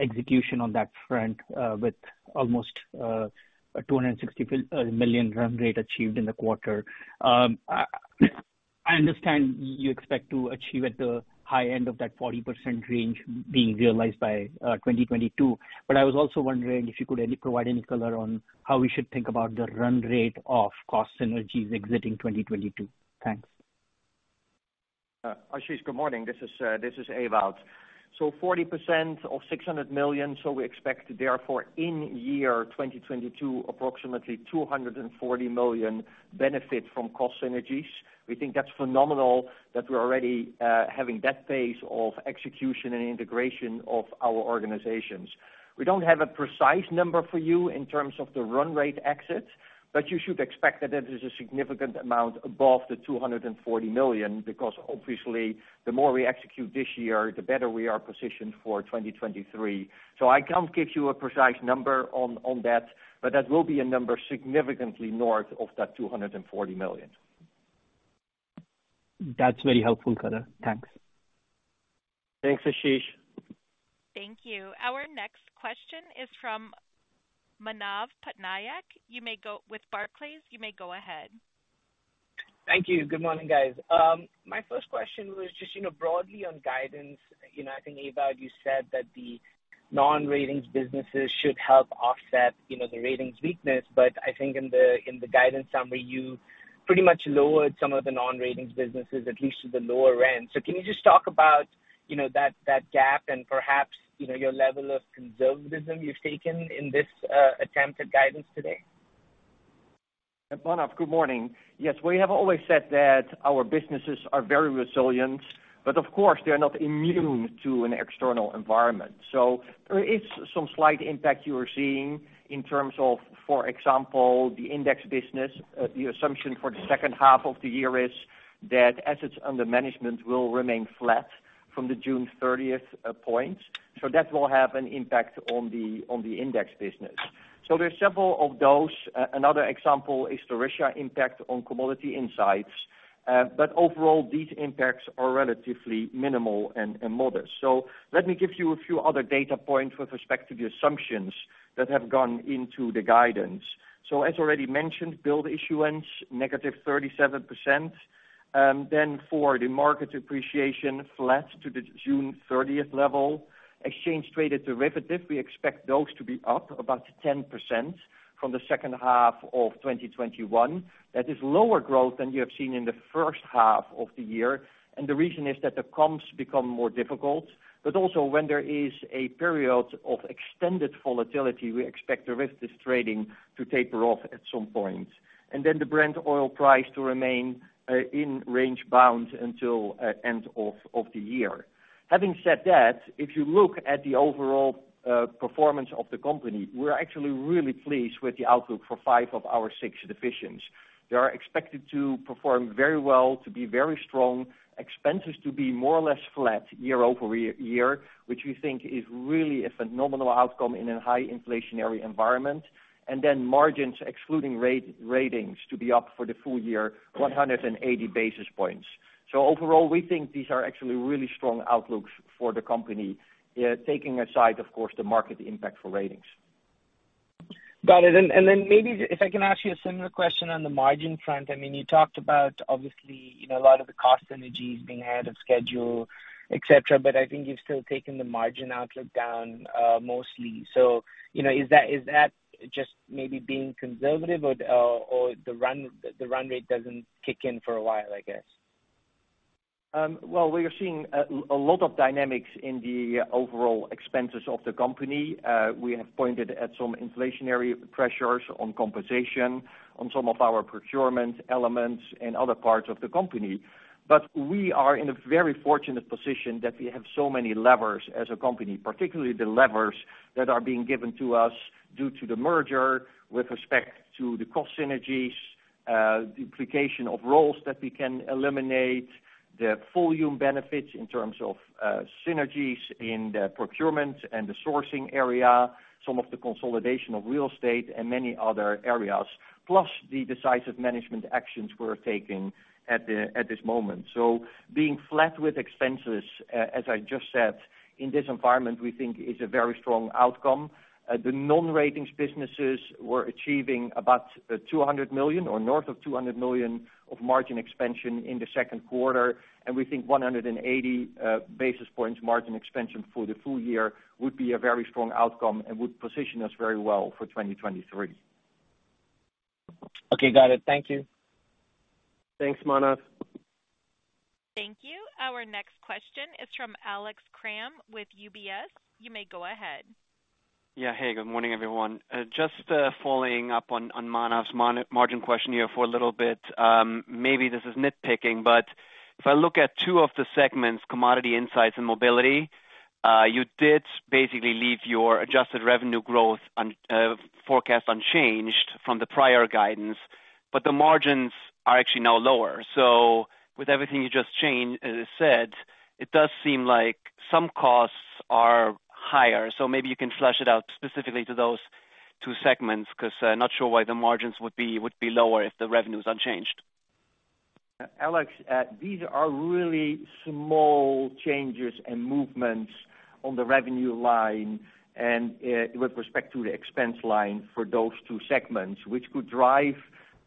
execution on that front, with almost $260 million run rate achieved in the quarter. I understand you expect to achieve at the high end of that 40% range being realized by 2022, but I was also wondering if you could provide any color on how we should think about the run rate of cost synergies exiting 2022. Thanks. Ashish, good morning. This is Ewout. 40% of $600 million. We expect therefore in 2022, approximately $240 million benefit from cost synergies. We think that's phenomenal that we're already having that pace of execution and integration of our organizations. We don't have a precise number for you in terms of the run rate exit, but you should expect that it is a significant amount above the $240 million because obviously the more we execute this year, the better we are positioned for 2023. I can't give you a precise number on that, but that will be a number significantly north of that $240 million. That's very helpful color. Thanks. Thanks, Ashish. Thank you. Our next question is from Manav Patnaik with Barclays. You may go ahead. Thank you. Good morning, guys. My first question was just, you know, broadly on guidance. You know, I think, Ewout, you said that the non-ratings businesses should help offset, you know, the ratings weakness. I think in the guidance summary, you pretty much lowered some of the non-ratings businesses, at least to the lower end. Can you just talk about, you know, that gap and perhaps, you know, your level of conservatism you've taken in this updated guidance today? Manav, good morning. Yes, we have always said that our businesses are very resilient, but of course, they are not immune to an external environment. There is some slight impact you are seeing in terms of, for example, the index business. The assumption for the second half of the year is that assets under management will remain flat from the June 30th point. That will have an impact on the index business. There's several of those. Another example is the Russia impact on Commodity Insights. But overall, these impacts are relatively minimal and modest. Let me give you a few other data points with respect to the assumptions that have gone into the guidance. As already mentioned, billed issuance, -37%. Then for the market appreciation, flat to the June 30th level. Exchange-traded derivatives, we expect those to be up about 10% from the second half of 2021. That is lower growth than you have seen in the first half of the year. The reason is that the comps become more difficult. Also when there is a period of extended volatility, we expect derivatives trading to taper off at some point. Then the Brent oil price to remain in range bounds until end of the year. Having said that, if you look at the overall performance of the company, we're actually really pleased with the outlook for five of our six divisions. They are expected to perform very well, to be very strong, expenses to be more or less flat year-over-year, which we think is really a phenomenal outcome in a high inflationary environment. Margins excluding Ratings to be up for the full year, 180 basis points. Overall, we think these are actually really strong outlooks for the company, taking aside, of course, the market impact for Ratings. Got it. Then maybe if I can ask you a similar question on the margin front. I mean, you talked about obviously, you know, a lot of the cost synergies being ahead of schedule, et cetera. I think you've still taken the margin outlook down, mostly. You know, is that just maybe being conservative or the run rate doesn't kick in for a while, I guess? Well, we are seeing a lot of dynamics in the overall expenses of the company. We have pointed at some inflationary pressures on compensation, on some of our procurement elements and other parts of the company. We are in a very fortunate position that we have so many levers as a company, particularly the levers that are being given to us due to the merger with respect to the cost synergies, duplication of roles that we can eliminate, the full year benefits in terms of, synergies in the procurement and the sourcing area, some of the consolidation of real estate and many other areas, plus the decisive management actions we're taking at this moment. Being flat with expenses, as I just said, in this environment, we think is a very strong outcome. The non-ratings businesses were achieving about $200 million or north of $200 million of margin expansion in the second quarter. We think 180 basis points margin expansion for the full year would be a very strong outcome and would position us very well for 2023. Okay, got it. Thank you. Thanks, Manav. Thank you. Our next question is from Alex Kramm with UBS. You may go ahead. Yeah. Hey, good morning, everyone. Just following up on Manav's margin question here for a little bit. Maybe this is nitpicking, but if I look at two of the segments, Commodity Insights and Mobility, you did basically leave your adjusted revenue growth forecast unchanged from the prior guidance, but the margins are actually now lower. With everything you just changed, as I said, it does seem like some costs are higher. Maybe you can flesh it out specifically to those two segments, because I'm not sure why the margins would be lower if the revenue's unchanged. Alex, these are really small changes and movements on the revenue line and, with respect to the expense line for those two segments, which could drive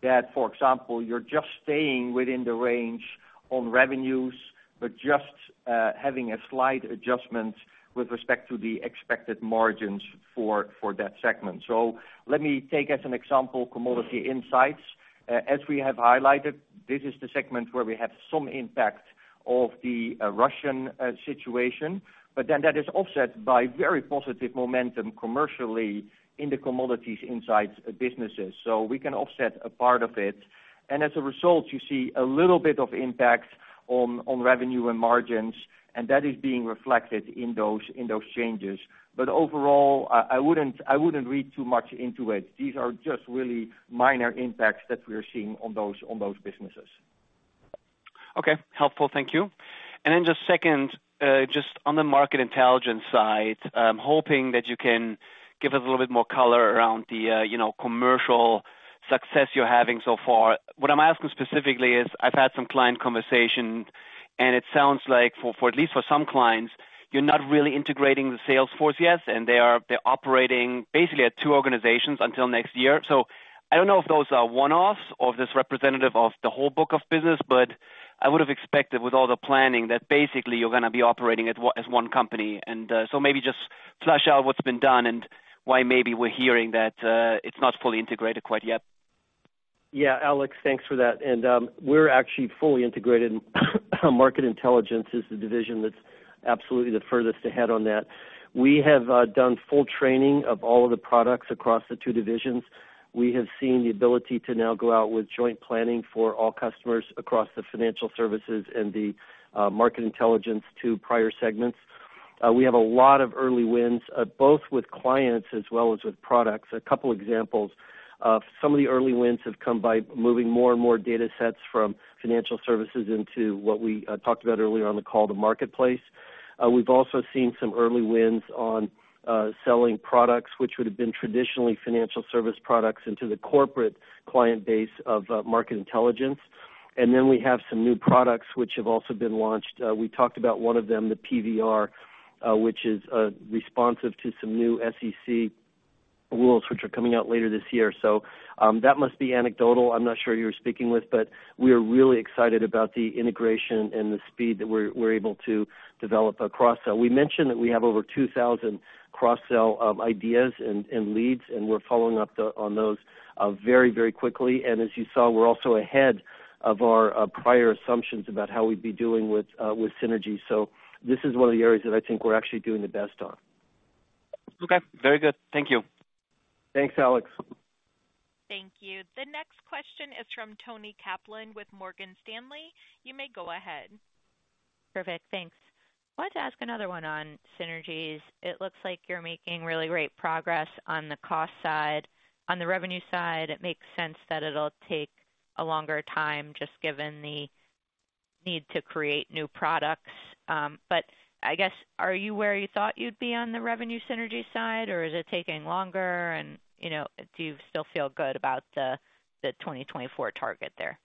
that. For example, you're just staying within the range on revenues, but just having a slight adjustment with respect to the expected margins for that segment. Let me take as an example, Commodity Insights. As we have highlighted, this is the segment where we have some impact of the Russian situation, but then that is offset by very positive momentum commercially in the Commodity Insights businesses. We can offset a part of it. As a result, you see a little bit of impact on revenue and margins, and that is being reflected in those changes. Overall, I wouldn't read too much into it. These are just really minor impacts that we are seeing on those businesses. Okay. Helpful. Thank you. Just second, just on the market intelligence side, I'm hoping that you can give us a little bit more color around the, you know, commercial success you're having so far. What I'm asking specifically is, I've had some client conversations. It sounds like for at least some clients, you're not really integrating the sales force yet, and they're operating basically at two organizations until next year. I don't know if those are one-offs or if it's representative of the whole book of business, but I would have expected with all the planning that basically you're gonna be operating as one company. Maybe just flesh out what's been done and why maybe we're hearing that it's not fully integrated quite yet. Yeah, Alex, thanks for that. We're actually fully integrated. Market Intelligence is the division that's absolutely the furthest ahead on that. We have done full training of all of the products across the two divisions. We have seen the ability to now go out with joint planning for all customers across the Financial Services and the Market Intelligence to buyer segments. We have a lot of early wins both with clients as well as with products. A couple examples of some of the early wins have come by moving more and more data sets from Financial Services into what we talked about earlier on the call to Marketplace. We've also seen some early wins on selling products which would have been traditionally Financial Services products into the corporate client base of Market Intelligence. We have some new products which have also been launched. We talked about one of them, the PVR, which is responsive to some new SEC rules which are coming out later this year. That must be anecdotal. I'm not sure who you were speaking with, but we are really excited about the integration and the speed that we're able to develop a cross sell. We mentioned that we have over 2,000 cross sell ideas and leads, and we're following up on those very quickly. As you saw, we're also ahead of our prior assumptions about how we'd be doing with synergy. This is one of the areas that I think we're actually doing the best on. Okay. Very good. Thank you. Thanks, Alex. Thank you. The next question is from Toni Kaplan with Morgan Stanley. You may go ahead. Perfect. Thanks. Wanted to ask another one on synergies. It looks like you're making really great progress on the cost side. On the revenue side, it makes sense that it'll take a longer time just given the need to create new products. I guess, are you where you thought you'd be on the revenue synergy side, or is it taking longer and, you know, do you still feel good about the 2024 target there?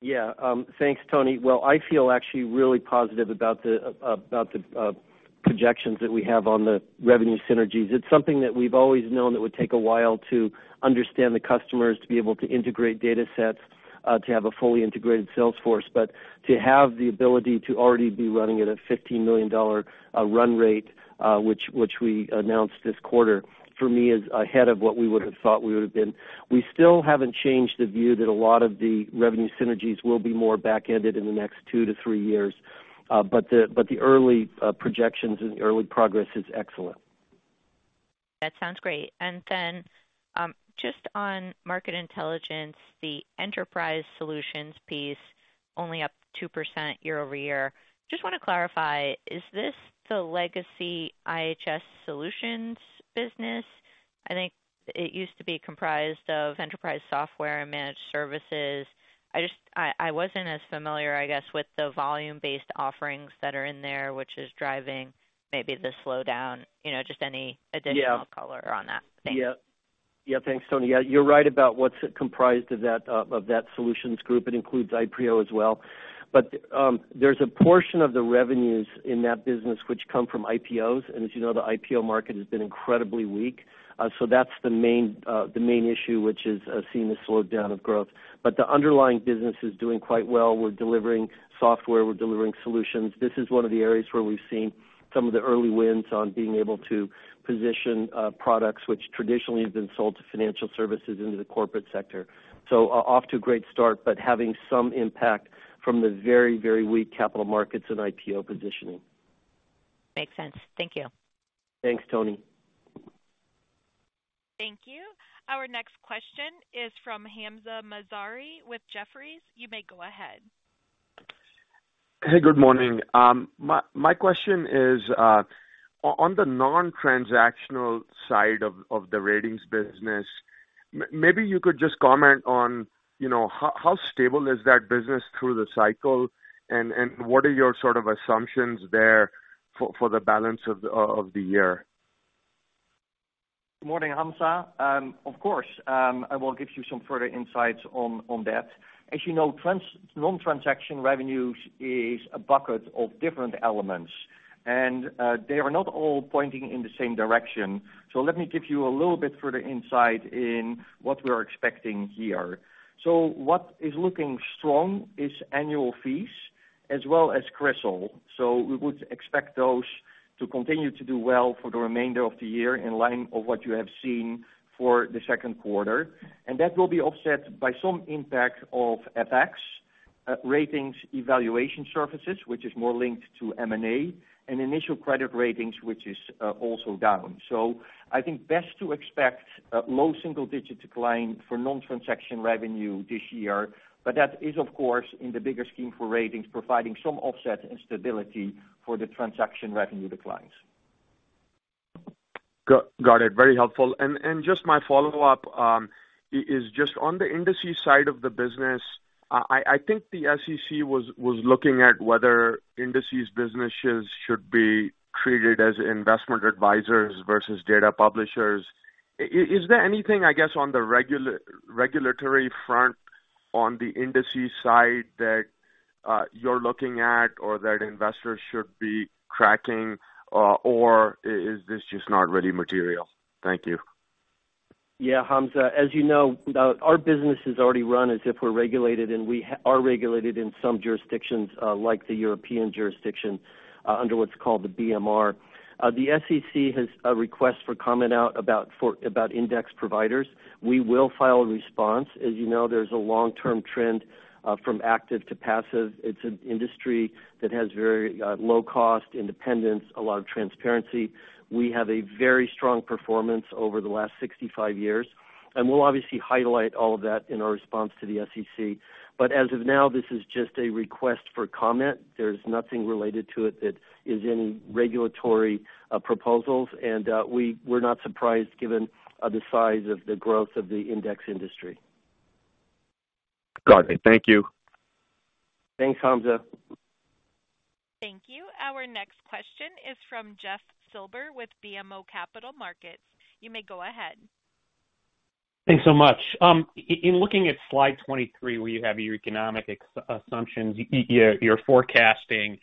Yeah. Thanks, Toni. Well, I feel actually really positive about the about the projections that we have on the revenue synergies. It's something that we've always known that would take a while to understand the customers, to be able to integrate datasets, to have a fully integrated sales force. To have the ability to already be running at a $15 million run rate, which we announced this quarter, for me is ahead of what we would have thought we would have been. We still haven't changed the view that a lot of the revenue synergies will be more back-ended in the next two to three years. But the early projections and the early progress is excellent. That sounds great. Just on Market Intelligence, the enterprise solutions piece only up 2% year-over-year. Just wanna clarify, is this the legacy IHS solutions business? I think it used to be comprised of enterprise software and managed services. I wasn't as familiar, I guess, with the volume-based offerings that are in there, which is driving maybe the slowdown, you know, just any additional. Yeah. Color on that. Thanks. Thanks, Toni. You're right about what's comprised of that solutions group. It includes Ipreo as well. There's a portion of the revenues in that business which come from IPOs. As you know, the IPO market has been incredibly weak. That's the main issue which is seeing a slowdown of growth. The underlying business is doing quite well. We're delivering software, we're delivering solutions. This is one of the areas where we've seen some of the early wins on being able to position products which traditionally have been sold to financial services into the corporate sector. Off to a great start, but having some impact from the very weak capital markets and IPO positioning. Makes sense. Thank you. Thanks, Toni. Thank you. Our next question is from Hamzah Mazari with Jefferies. You may go ahead. Hey, good morning. My question is, on the non-transactional side of the ratings business, maybe you could just comment on, you know, how stable is that business through the cycle, and what are your sort of assumptions there for the balance of the year? Morning, Hamzah. Of course, I will give you some further insights on that. As you know, non-transaction revenues is a bucket of different elements, and they are not all pointing in the same direction. Let me give you a little bit further insight into what we're expecting here. What is looking strong is annual fees as well as CRISIL. We would expect those to continue to do well for the remainder of the year in line with what you have seen for the second quarter. That will be offset by some impact of FX, Ratings Evaluation Services, which is more linked to M&A and initial credit ratings, which is also down. I think best to expect a low single-digit decline for non-transaction revenue this year. That is of course, in the bigger scheme for ratings, providing some offset and stability for the transaction revenue declines. Got it. Very helpful. Just my follow-up is just on the indices side of the business. I think the SEC was looking at whether indices businesses should be treated as investment advisors versus data publishers. Is there anything, I guess, on the regulatory front on the indices side that you're looking at or that investors should be tracking, or is this just not really material? Thank you. Yeah, Hamzah, as you know, our business is already run as if we're regulated, and we are regulated in some jurisdictions, like the European jurisdiction, under what's called the BMR. The SEC has a request for comment out about index providers. We will file a response. As you know, there's a long-term trend from active to passive. It's an industry that has very low cost independence, a lot of transparency. We have a very strong performance over the last 65 years, and we'll obviously highlight all of that in our response to the SEC. But as of now, this is just a request for comment. There's nothing related to it that is any regulatory proposals. We're not surprised given the size of the growth of the index industry. Got it. Thank you. Thanks, Hamzah. Thank you. Our next question is from Jeff Silber with BMO Capital Markets. You may go ahead. Thanks so much. In looking at slide 23, where you have your economic assumptions, you're forecasting,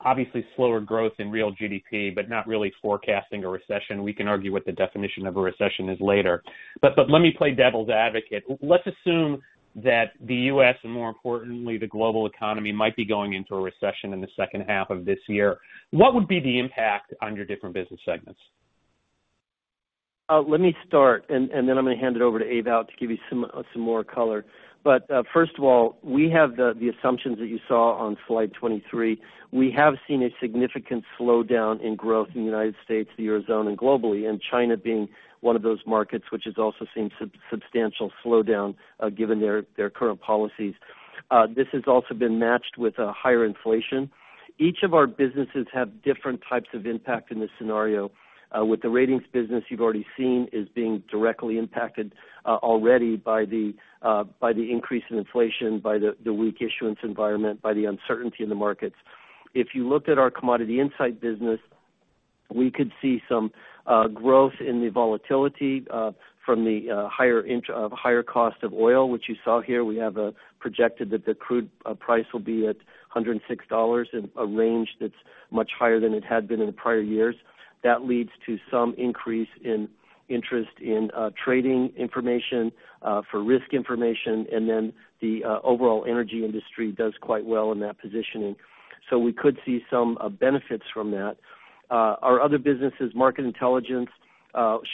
obviously slower growth in real GDP, but not really forecasting a recession. We can argue what the definition of a recession is later. But let me play devil's advocate. Let's assume that the U.S., and more importantly, the global economy, might be going into a recession in the second half of this year. What would be the impact on your different business segments? Let me start, then I'm gonna hand it over to Ewout to give you some more color. First of all, we have the assumptions that you saw on slide 23. We have seen a significant slowdown in growth in the United States, the Eurozone, and globally, and China being one of those markets which has also seen substantial slowdown, given their current policies. This has also been matched with a higher inflation. Each of our businesses have different types of impact in this scenario. With the ratings business you've already seen is being directly impacted, already by the increase in inflation, by the weak issuance environment, by the uncertainty in the markets. If you looked at our Commodity Insights business, we could see some growth in the volatility from the higher cost of oil, which you saw here. We have projected that the crude price will be at $106, a range that's much higher than it had been in prior years. That leads to some increase in interest in trading information for risk information, and then the overall energy industry does quite well in that positioning. We could see some benefits from that. Our other businesses, Market Intelligence,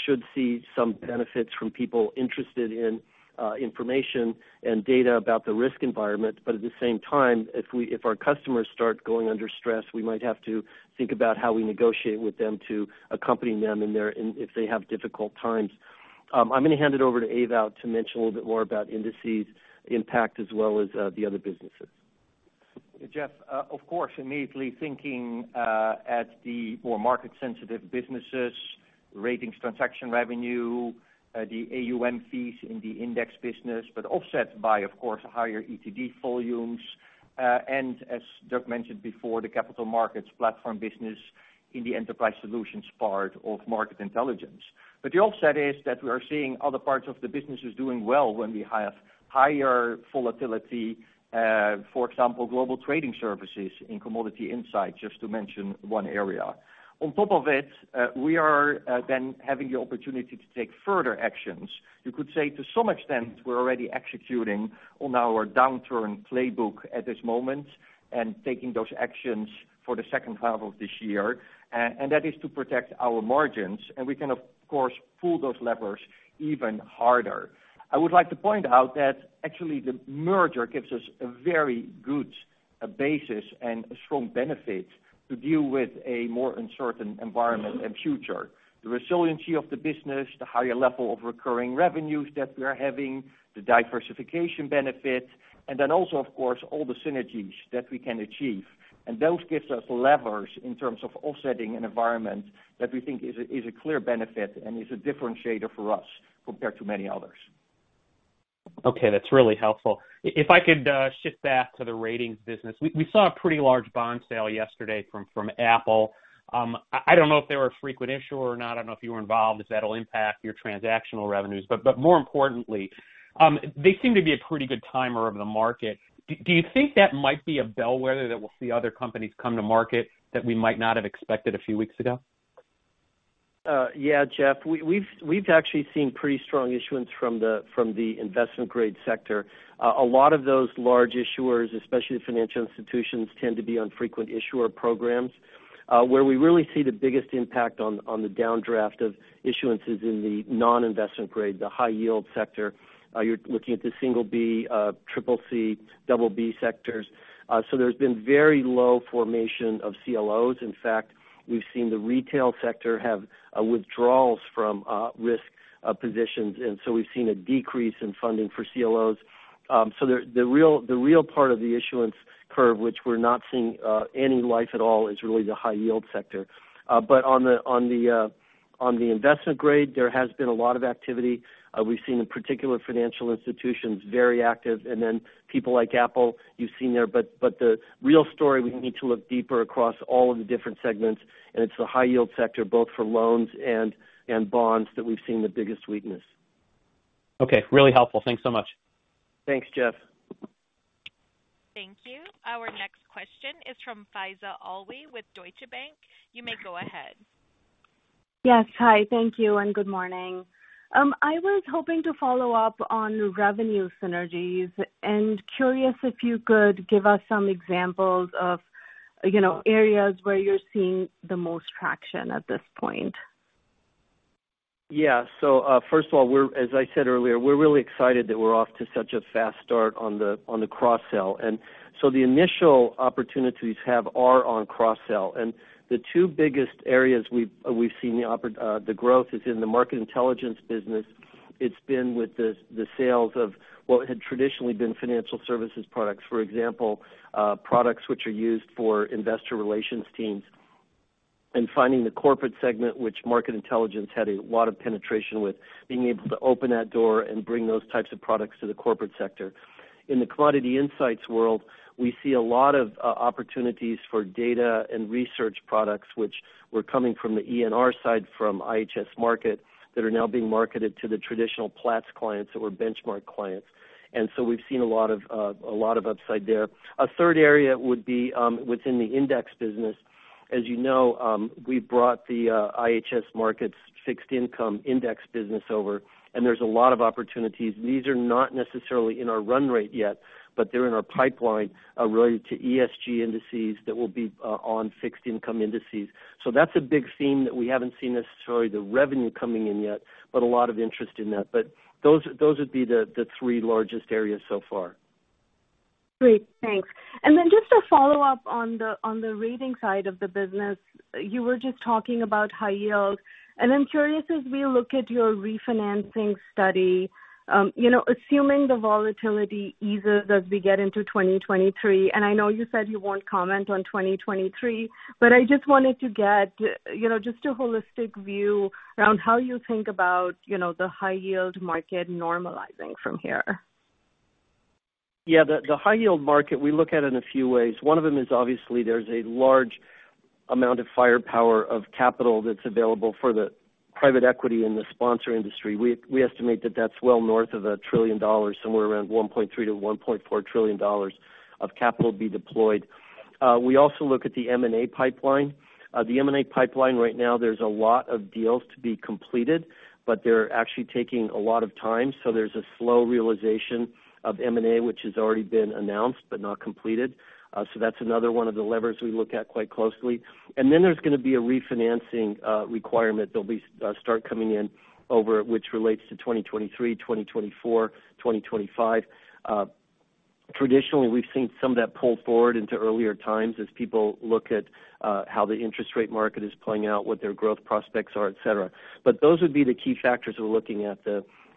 should see some benefits from people interested in information and data about the risk environment. At the same time, if our customers start going under stress, we might have to think about how we negotiate with them to accompany them if they have difficult times. I'm gonna hand it over to Ewout to mention a little bit more about indices impact as well as the other businesses. Jeff, of course, immediately thinking at the more market sensitive businesses, ratings transaction revenue, the AUM fees in the index business, but offset by, of course, higher ETD volumes. As Doug mentioned before, the capital markets platform business in the enterprise solutions part of Market Intelligence. The offset is that we are seeing other parts of the businesses doing well when we have higher volatility, for example, Global Trading Services in Commodity Insights, just to mention one area. On top of it, we are then having the opportunity to take further actions. You could say to some extent, we're already executing on our downturn playbook at this moment and taking those actions for the second half of this year. That is to protect our margins, and we can, of course, pull those levers even harder. I would like to point out that actually the merger gives us a very good basis and a strong benefit to deal with a more uncertain environment and future. The resiliency of the business, the higher level of recurring revenues that we are having, the diversification benefit, and then also, of course, all the synergies that we can achieve. Those gives us levers in terms of offsetting an environment that we think is a clear benefit and is a differentiator for us compared to many others. Okay. That's really helpful. If I could shift back to the ratings business. We saw a pretty large bond sale yesterday from Apple. I don't know if they were a frequent issuer or not. I don't know if you were involved, if that'll impact your transactional revenues. But more importantly, they seem to be a pretty good timer of the market. Do you think that might be a bellwether that we'll see other companies come to market that we might not have expected a few weeks ago? Yeah, Jeff. We've actually seen pretty strong issuance from the investment grade sector. A lot of those large issuers, especially the financial institutions, tend to be on frequent issuer programs. Where we really see the biggest impact on the downdraft of issuance is in the non-investment grade, the high yield sector. You're looking at the single B, triple C, double B sectors. So there's been very low formation of CLOs. In fact, we've seen the retail sector have withdrawals from risk positions, and so we've seen a decrease in funding for CLOs. The real part of the issuance curve, which we're not seeing any life at all, is really the high yield sector. But on the investment grade, there has been a lot of activity. We've seen in particular financial institutions, very active, and then people like Apple, you've seen there. The real story, we need to look deeper across all of the different segments, and it's the high yield sector, both for loans and bonds, that we've seen the biggest weakness. Okay. Really helpful. Thanks so much. Thanks, Jeff. Thank you. Our next question is from Faiza Alwy with Deutsche Bank. You may go ahead. Yes. Hi. Thank you, and good morning. I was hoping to follow up on revenue synergies, and curious if you could give us some examples of, you know, areas where you're seeing the most traction at this point. Yeah. First of all, as I said earlier, we're really excited that we're off to such a fast start on the cross-sell. The initial opportunities are on cross-sell. The two biggest areas we've seen the growth is in the Market Intelligence business. It's been with the sales of what had traditionally been financial services products. For example, products which are used for investor relations teams and finding the corporate segment which Market Intelligence had a lot of penetration with, being able to open that door and bring those types of products to the corporate sector. In the commodity insights world, we see a lot of opportunities for data and research products, which were coming from the E&R side, from IHS Markit, that are now being marketed to the traditional Platts clients or benchmark clients. We've seen a lot of upside there. A third area would be within the index business. As you know, we brought the IHS Markit's fixed income index business over, and there's a lot of opportunities. These are not necessarily in our run rate yet, but they're in our pipeline related to ESG indices that will be on fixed income indices. That's a big theme that we haven't seen necessarily the revenue coming in yet, but a lot of interest in that. Those would be the three largest areas so far. Great. Thanks. Then just a follow-up on the rating side of the business. You were just talking about high yield. I'm curious, as we look at your refinancing study, you know, assuming the volatility eases as we get into 2023, and I know you said you won't comment on 2023, but I just wanted to get, you know, just a holistic view around how you think about, you know, the high yield market normalizing from here. Yeah. The high yield market, we look at it in a few ways. One of them is obviously there's a large amount of firepower of capital that's available for the private equity in the sponsor industry. We estimate that that's well north of $1 trillion, somewhere around $1.3 trillion-$1.4 trillion of capital be deployed. We also look at the M&A pipeline. The M&A pipeline right now, there's a lot of deals to be completed, but they're actually taking a lot of time. There's a slow realization of M&A, which has already been announced but not completed. That's another one of the levers we look at quite closely. There's gonna be a refinancing requirement that'll start coming in over which relates to 2023, 2024, 2025. Traditionally, we've seen some of that pull forward into earlier times as people look at how the interest rate market is playing out, what their growth prospects are, et cetera. Those would be the key factors we're looking at.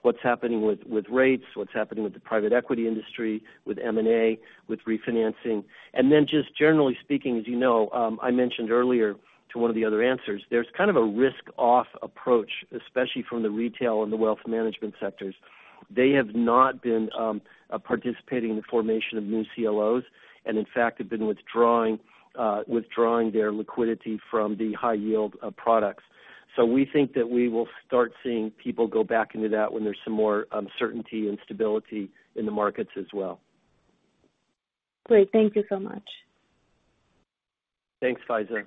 What's happening with rates, what's happening with the private equity industry, with M&A, with refinancing. Then just generally speaking, as you know, I mentioned earlier to one of the other answers, there's kind of a risk-off approach, especially from the retail and the wealth management sectors. They have not been participating in the formation of new CLOs and, in fact, have been withdrawing their liquidity from the high yield products. We think that we will start seeing people go back into that when there's some more certainty and stability in the markets as well. Great. Thank you so much. Thanks, Faiza.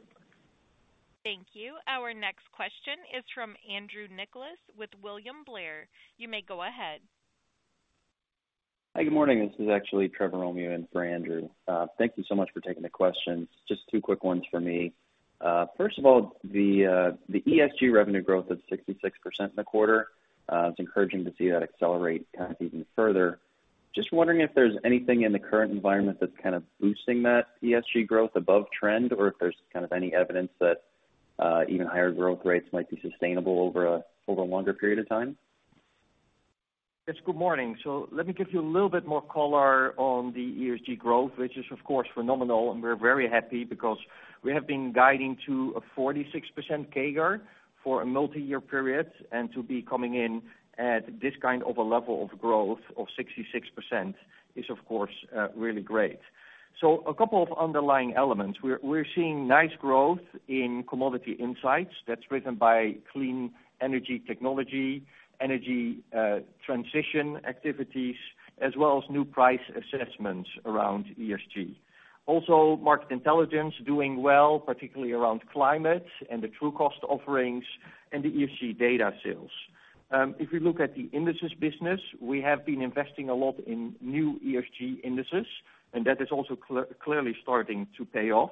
Thank you. Our next question is from Andrew Nicholas with William Blair. You may go ahead. Hi. Good morning. This is actually Trevor Romeo in for Andrew. Thank you so much for taking the questions. Just two quick ones for me. First of all, the ESG revenue growth of 66% in the quarter. It's encouraging to see that accelerate kind of even further. Just wondering if there's anything in the current environment that's kind of boosting that ESG growth above trend or if there's kind of any evidence that even higher growth rates might be sustainable over a longer period of time. Yes. Good morning. Let me give you a little bit more color on the ESG growth, which is of course phenomenal, and we're very happy because we have been guiding to a 46% CAGR for a multi-year period. To be coming in at this kind of a level of growth of 66% is of course really great. A couple of underlying elements. We're seeing nice growth in commodity insights. That's driven by clean energy technology, energy transition activities, as well as new price assessments around ESG. Also, market intelligence doing well, particularly around climate and the Trucost offerings and the ESG data sales. If we look at the indices business, we have been investing a lot in new ESG indices, and that is also clearly starting to pay off.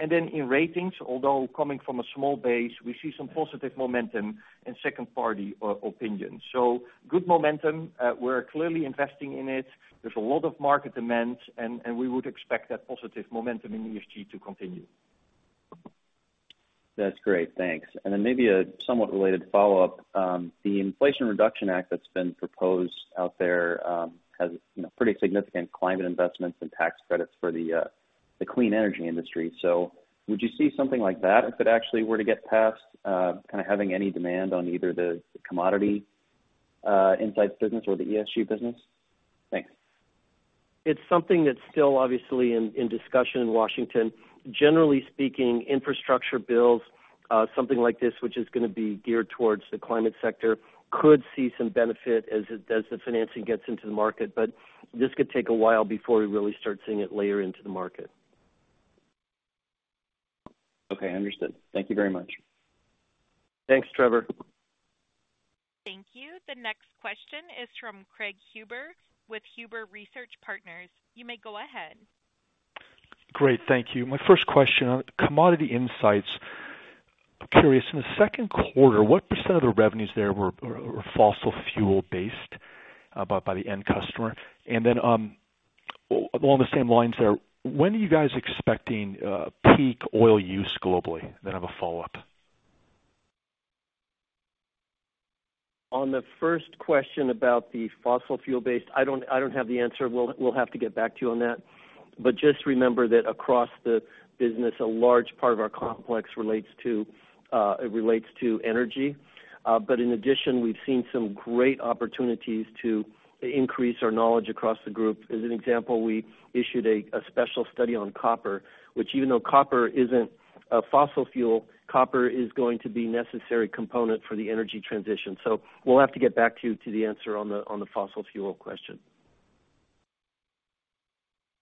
In ratings, although coming from a small base, we see some positive momentum in second-party opinion. Good momentum. We're clearly investing in it. There's a lot of market demand, and we would expect that positive momentum in ESG to continue. That's great. Thanks. Then maybe a somewhat related follow-up. The Inflation Reduction Act that's been proposed out there has, you know, pretty significant climate investments and tax credits for the clean energy industry. Would you see something like that if it actually were to get passed kind of having any demand on either the Commodity Insights business or the ESG business? Thanks. It's something that's still obviously in discussion in Washington. Generally speaking, infrastructure bills, something like this, which is gonna be geared towards the climate sector, could see some benefit as the financing gets into the market. This could take a while before we really start seeing it layer into the market. Okay, understood. Thank you very much. Thanks, Trevor. Thank you. The next question is from Craig Huber with Huber Research Partners. You may go ahead. Great. Thank you. My first question, on Commodity Insights, curious, in the second quarter, what percent of the revenues there were fossil fuel-based by the end customer? Along the same lines there, when are you guys expecting peak oil use globally? I have a follow-up. On the first question about the fossil fuel-based, I don't have the answer. We'll have to get back to you on that. Just remember that across the business, a large part of our complex relates to, it relates to energy. But in addition, we've seen some great opportunities to increase our knowledge across the group. As an example, we issued a special study on copper, which even though copper isn't a fossil fuel, copper is going to be a necessary component for the energy transition. So we'll have to get back to you to the answer on the fossil fuel question.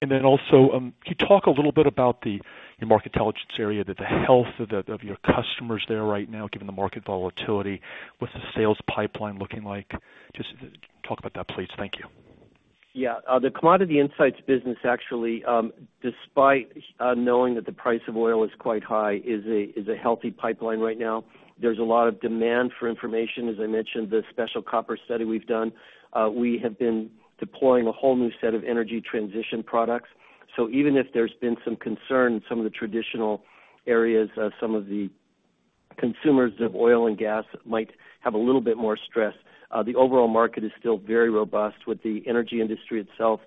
Could you talk a little bit about your market intelligence area, the health of your customers there right now, given the market volatility? What's the sales pipeline looking like? Just talk about that, please. Thank you. The Commodity Insights business actually, despite knowing that the price of oil is quite high, is a healthy pipeline right now. There's a lot of demand for information. As I mentioned, the special copper study we've done. We have been deploying a whole new set of energy transition products. Even if there's been some concern in some of the traditional areas, some of the consumers of oil and gas might have a little bit more stress, the overall market is still very robust with the energy industry itself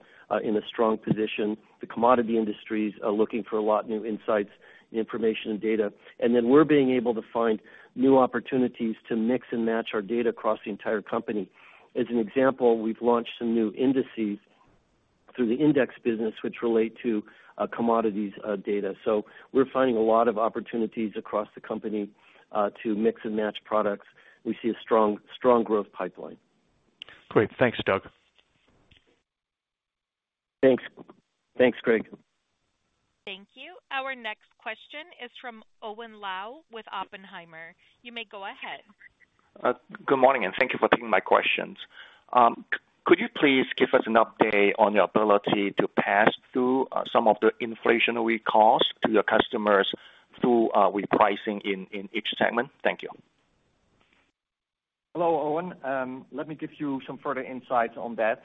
in a strong position. The commodity industries are looking for a lot of new insights and information and data. Then we're being able to find new opportunities to mix and match our data across the entire company. As an example, we've launched some new indices through the index business which relate to commodities data. We're finding a lot of opportunities across the company to mix and match products. We see a strong growth pipeline. Great. Thanks, Doug. Thanks. Thanks, Craig. Thank you. Our next question is from Owen Lau with Oppenheimer. You may go ahead. Good morning, and thank you for taking my questions. Could you please give us an update on your ability to pass through some of the inflationary costs to your customers through with pricing in each segment? Thank you. Hello, Owen. Let me give you some further insights on that.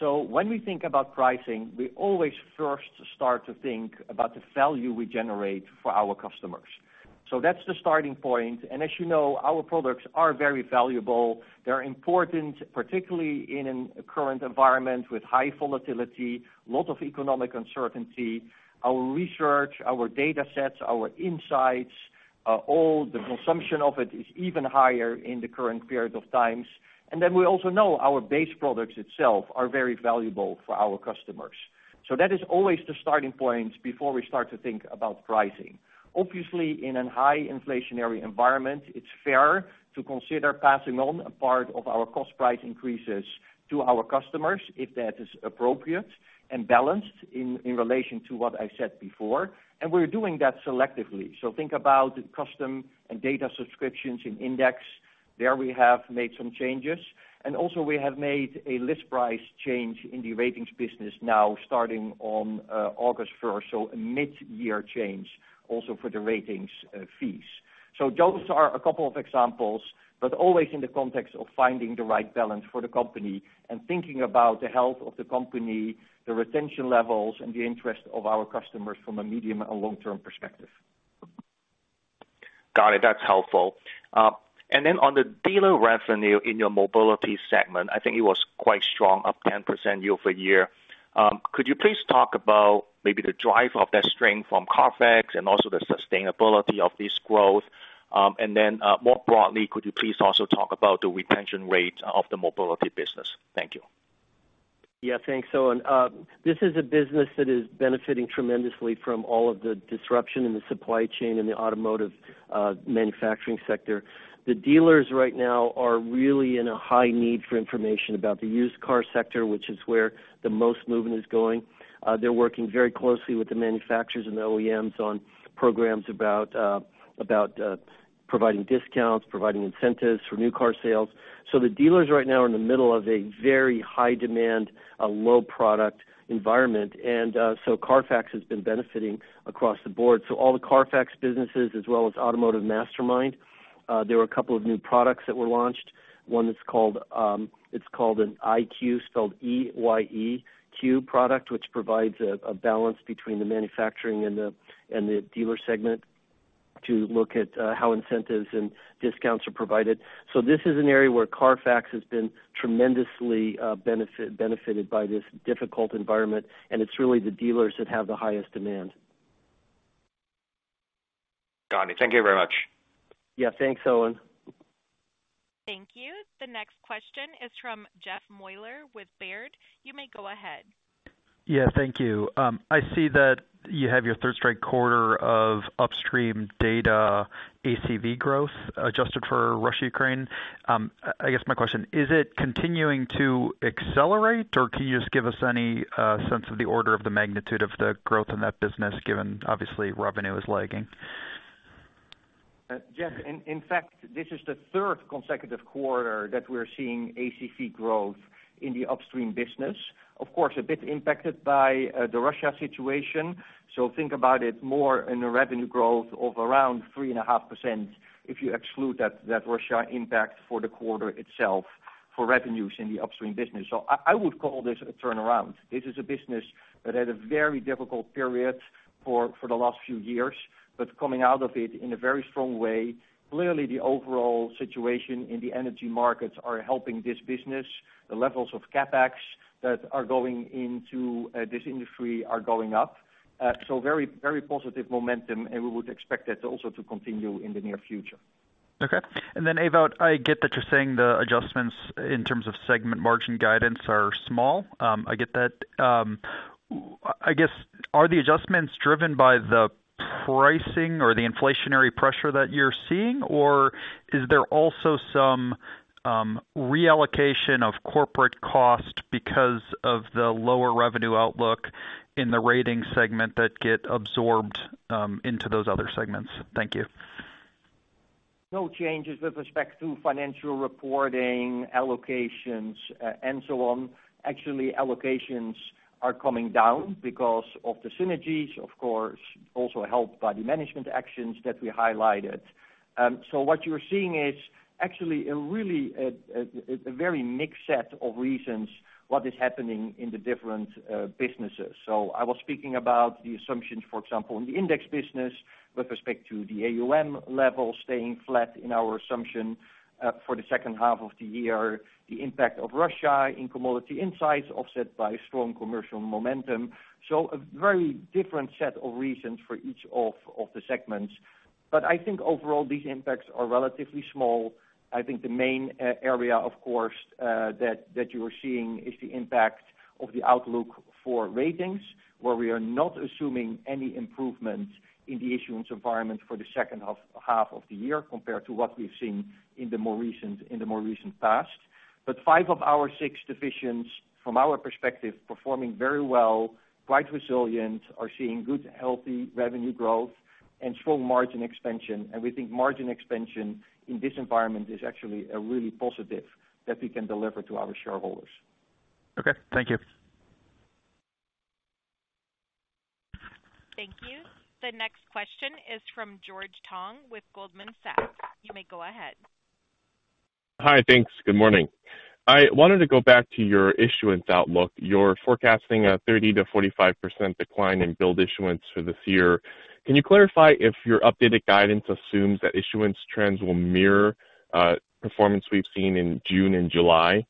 When we think about pricing, we always first start to think about the value we generate for our customers. That's the starting point. As you know, our products are very valuable. They're important, particularly in a current environment with high volatility, lot of economic uncertainty. Our research, our datasets, our insights, all the consumption of it is even higher in the current period of times. Then we also know our base products itself are very valuable for our customers. That is always the starting point before we start to think about pricing. Obviously, in a high inflationary environment, it's fair to consider passing on a part of our cost price increases to our customers if that is appropriate and balanced in relation to what I said before, and we're doing that selectively. Think about custom and data subscriptions in Index. There we have made some changes. We have made a list price change in the Ratings business now starting on August first. A mid-year change also for the Ratings fees. Those are a couple of examples, but always in the context of finding the right balance for the company and thinking about the health of the company, the retention levels and the interest of our customers from a medium and long-term perspective. Got it. That's helpful. On the dealer revenue in your Mobility segment, I think it was quite strong, up 10% year-over-year. Could you please talk about maybe the driver of that strength from CARFAX and also the sustainability of this growth? More broadly, could you please also talk about the retention rate of the Mobility business? Thank you. Yeah, thanks, Owen. This is a business that is benefiting tremendously from all of the disruption in the supply chain in the automotive manufacturing sector. The dealers right now are really in a high need for information about the used car sector, which is where the most movement is going. They're working very closely with the manufacturers and the OEMs on programs about providing discounts, providing incentives for new car sales. The dealers right now are in the middle of a very high demand, a low product environment. CARFAX has been benefiting across the board. All the CARFAX businesses as well as automotiveMastermind, there were a couple of new products that were launched, one that's called an EyeQ, spelled E-Y-E-Q product, which provides a balance between the manufacturing and the dealer segment to look at how incentives and discounts are provided. This is an area where CARFAX has been tremendously benefited by this difficult environment, and it's really the dealers that have the highest demand. Thank you very much. Yeah, thanks, Owen. Thank you. The next question is from Jeff Meuler with Baird. You may go ahead. Thank you. I see that you have your third straight quarter of Upstream data ACV growth adjusted for Russia, Ukraine. I guess my question is it continuing to accelerate, or can you just give us any sense of the order of magnitude of the growth in that business, given obviously revenue is lagging? Jeff, in fact, this is the third consecutive quarter that we're seeing ACV growth in the Upstream business. Of course, a bit impacted by the Russia situation. Think about it more in a revenue growth of around 3.5% if you exclude that Russia impact for the quarter itself for revenues in the Upstream business. I would call this a turnaround. This is a business that had a very difficult period for the last few years, but coming out of it in a very strong way. Clearly, the overall situation in the energy markets are helping this business. The levels of CapEx that are going into this industry are going up. Very, very positive momentum, and we would expect that also to continue in the near future. Okay. Ewout, I get that you're saying the adjustments in terms of segment margin guidance are small. I get that. I guess, are the adjustments driven by the pricing or the inflationary pressure that you're seeing? Or is there also some reallocation of corporate cost because of the lower revenue outlook in the rating segment that get absorbed into those other segments? Thank you. No changes with respect to financial reporting, allocations, and so on. Actually, allocations are coming down because of the synergies, of course, also helped by the management actions that we highlighted. What you're seeing is actually a really very mixed set of reasons what is happening in the different businesses. I was speaking about the assumptions, for example, in the index business with respect to the AUM level staying flat in our assumption for the second half of the year. The impact of Russia in Commodity Insights offset by strong commercial momentum. A very different set of reasons for each of the segments. I think overall, these impacts are relatively small. I think the main area, of course, that you are seeing is the impact of the outlook for ratings, where we are not assuming any improvement in the issuance environment for the second half of the year compared to what we've seen in the more recent past. Five of our six divisions, from our perspective performing very well, quite resilient, are seeing good, healthy revenue growth and strong margin expansion. We think margin expansion in this environment is actually a really positive that we can deliver to our shareholders. Okay, thank you. Thank you. The next question is from George Tong with Goldman Sachs. You may go ahead. Hi. Thanks. Good morning. I wanted to go back to your issuance outlook. You're forecasting a 30%-45% decline in billed issuance for this year. Can you clarify if your updated guidance assumes that issuance trends will mirror performance we've seen in June and July?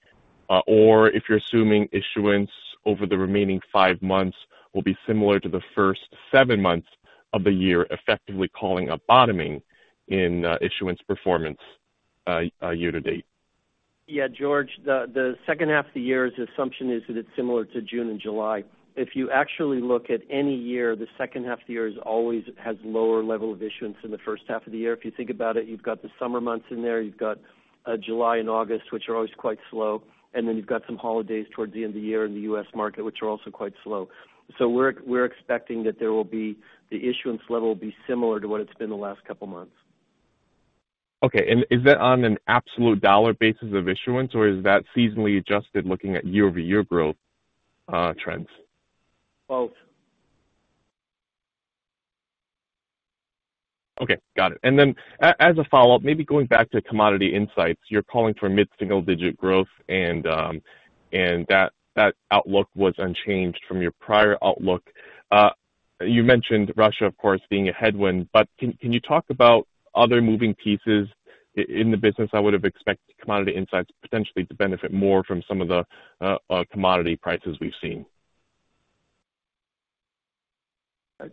Or if you're assuming issuance over the remaining five months will be similar to the first seven months of the year, effectively calling a bottoming in issuance performance year to date? Yeah, George, the second half of the year's assumption is that it's similar to June and July. If you actually look at any year, the second half of the year always has a lower level of issuance than the first half of the year. If you think about it, you've got the summer months in there, you've got July and August, which are always quite slow, and then you've got some holidays towards the end of the year in the U.S. market, which are also quite slow. We're expecting that the issuance level will be similar to what it's been the last couple months. Okay. Is that on an absolute dollar basis of issuance, or is that seasonally adjusted looking at year-over-year growth, trends? Both. Okay, got it. As a follow-up, maybe going back to Commodity Insights, you're calling for mid-single digit growth and that outlook was unchanged from your prior outlook. You mentioned Russia, of course, being a headwind, but can you talk about other moving pieces in the business? I would have expected Commodity Insights potentially to benefit more from some of the commodity prices we've seen.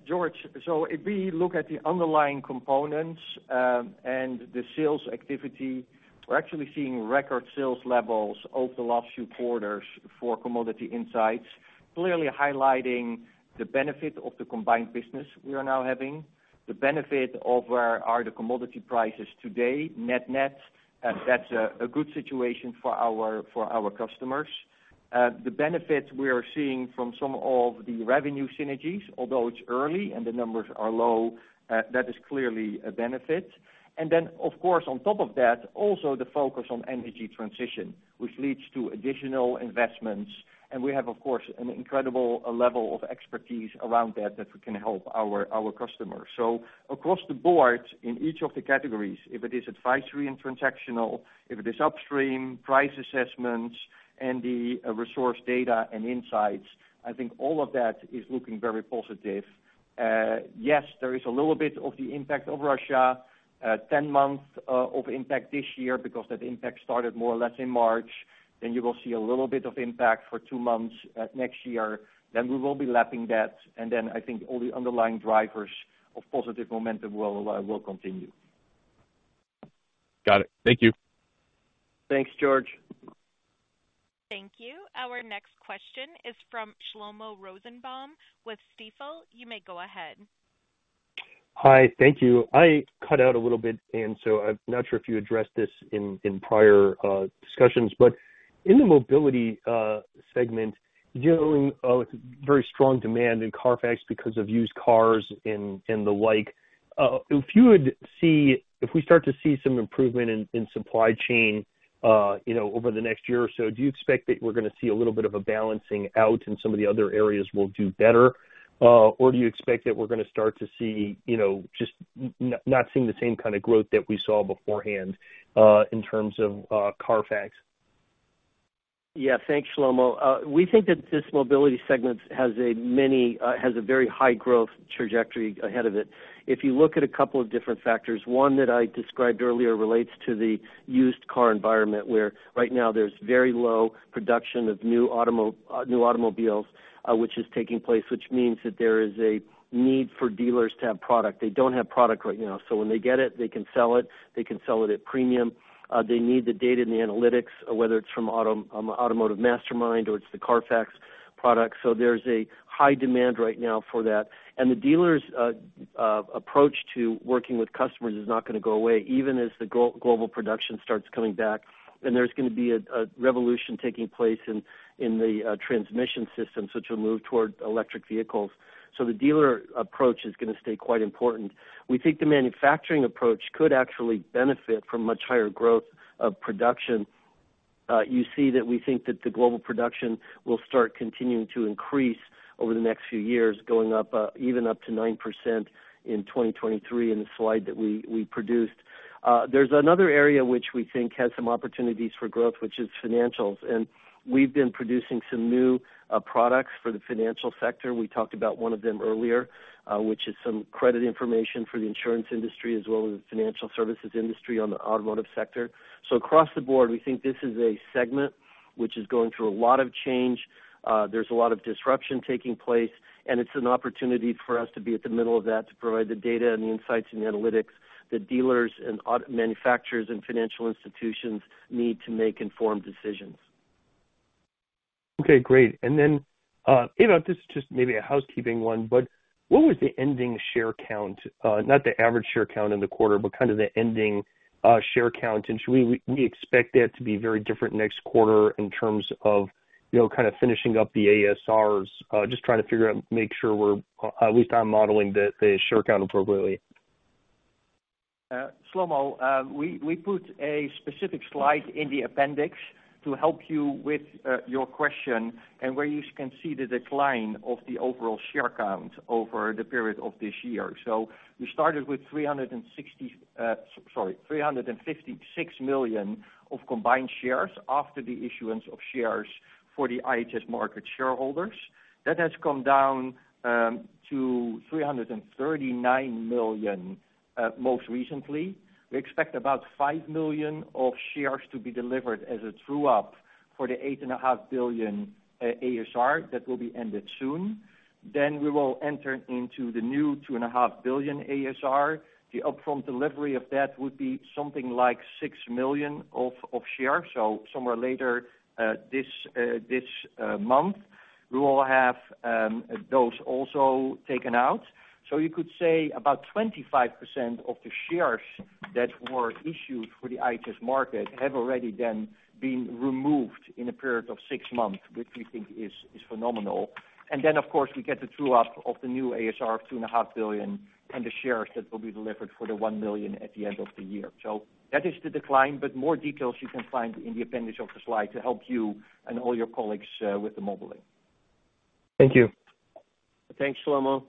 George, if we look at the underlying components and the sales activity, we're actually seeing record sales levels over the last few quarters for Commodity Insights, clearly highlighting the benefit of the combined business we are now having. The benefit of where are the commodity prices today net, that's a good situation for our customers. The benefits we are seeing from some of the revenue synergies, although it's early and the numbers are low, that is clearly a benefit. Of course, on top of that, also the focus on energy transition, which leads to additional investments. We have, of course, an incredible level of expertise around that we can help our customers. Across the board, in each of the categories, if it is advisory and transactional, if it is upstream, price assessments, and the resource data and insights, I think all of that is looking very positive. Yes, there is a little bit of the impact of Russia. 10 months of impact this year because that impact started more or less in March. You will see a little bit of impact for two months next year. We will be lapping that, and then I think all the underlying drivers of positive momentum will continue. Got it. Thank you. Thanks, George. Thank you. Our next question is from Shlomo Rosenbaum with Stifel. You may go ahead. Hi. Thank you. I cut out a little bit, and so I'm not sure if you addressed this in prior discussions. In the Mobility segment, dealing with very strong demand in CARFAX because of used cars and the like, if we start to see some improvement in supply chain, you know, over the next year or so, do you expect that we're gonna see a little bit of a balancing out and some of the other areas will do better? Or do you expect that we're gonna start to see, you know, just not seeing the same kind of growth that we saw beforehand, in terms of CARFAX? Yeah. Thanks, Shlomo. We think that this mobility segment has a very high growth trajectory ahead of it. If you look at a couple of different factors, one that I described earlier relates to the used car environment, where right now there's very low production of new automobiles, which is taking place, which means that there is a need for dealers to have product. They don't have product right now, so when they get it, they can sell it, they can sell it at premium. They need the data and the analytics, whether it's from automotiveMastermind or it's the CARFAX product. So there's a high demand right now for that. The dealers' approach to working with customers is not gonna go away, even as the global production starts coming back. There's gonna be a revolution taking place in the transmission systems, which will move toward electric vehicles. The dealer approach is gonna stay quite important. We think the manufacturing approach could actually benefit from much higher growth of production. You see that we think that the global production will start continuing to increase over the next few years, going up even up to 9% in 2023 in the slide that we produced. There's another area which we think has some opportunities for growth, which is financials. We've been producing some new products for the financial sector. We talked about one of them earlier, which is some credit information for the insurance industry as well as the financial services industry on the automotive sector. Across the board, we think this is a segment which is going through a lot of change. There's a lot of disruption taking place, and it's an opportunity for us to be at the middle of that to provide the data and the insights and the analytics that dealers and auto manufacturers and financial institutions need to make informed decisions. Okay. Great. Then, you know, this is just maybe a housekeeping one, but what was the ending share count, not the average share count in the quarter, but kind of the ending share count? Should we expect that to be very different next quarter in terms of, you know, kind of finishing up the ASRs? Just trying to figure out, make sure we're, at least I'm modeling the share count appropriately. Shlomo, we put a specific slide in the appendix to help you with your question and where you can see the decline of the overall share count over the period of this year. We started with 356 million combined shares after the issuance of shares for the IHS Markit shareholders. That has come down to 339 million most recently. We expect about 5 million shares to be delivered as a true up for the $8.5 billion ASR that will be ended soon. We will enter into the new $2.5 billion ASR. The upfront delivery of that would be something like 6 million shares. Somewhere later this month, we will have those also taken out. You could say about 25% of the shares that were issued for the IHS Markit have already then been removed in a period of six months, which we think is phenomenal. Then, of course, we get the true up of the new ASR of $2.5 billion and the shares that will be delivered for the 1 million at the end of the year. That is the decline, but more details you can find in the appendix of the slide to help you and all your colleagues with the modeling. Thank you. Thanks, Shlomo.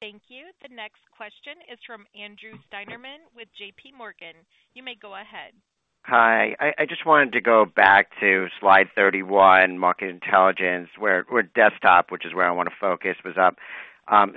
Thank you. The next question is from Andrew Steinerman with JPMorgan. You may go ahead. Hi. I just wanted to go back to slide 31, Market Intelligence, where desktop, which is where I wanna focus, was up 6%.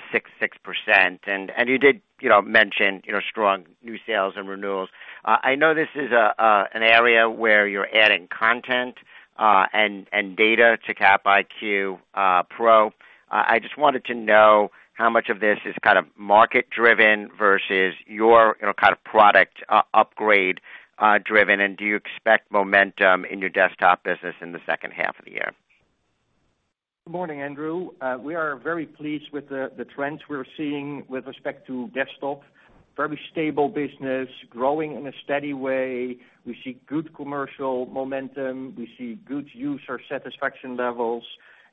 You did, you know, mention, you know, strong new sales and renewals. I know this is an area where you're adding content and data to CapIQ Pro. I just wanted to know how much of this is kind of market driven versus your, you know, kind of product upgrade driven, and do you expect momentum in your desktop business in the second half of the year? Good morning, Andrew. We are very pleased with the trends we're seeing with respect to desktop. Very stable business, growing in a steady way. We see good commercial momentum. We see good user satisfaction levels,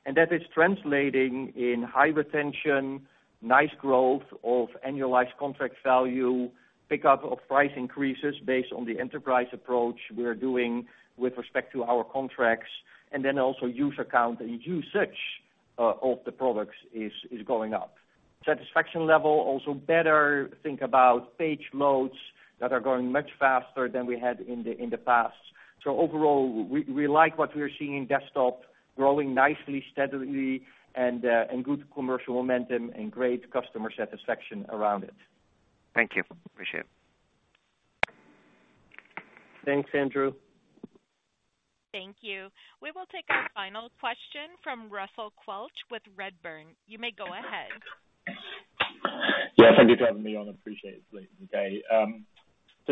and that is translating in high retention, nice growth of annualized contract value, pickup of price increases based on the enterprise approach we are doing with respect to our contracts, and then also user count and usage of the products is going up. Satisfaction level also better. Think about page loads that are going much faster than we had in the past. Overall, we like what we are seeing in desktop, growing nicely, steadily, and good commercial momentum and great customer satisfaction around it. Thank you. Appreciate it. Thanks, Andrew. Thank you. We will take our final question from Russell Quelch with Redburn. You may go ahead. Yeah, thank you for having me on. Appreciate it late in the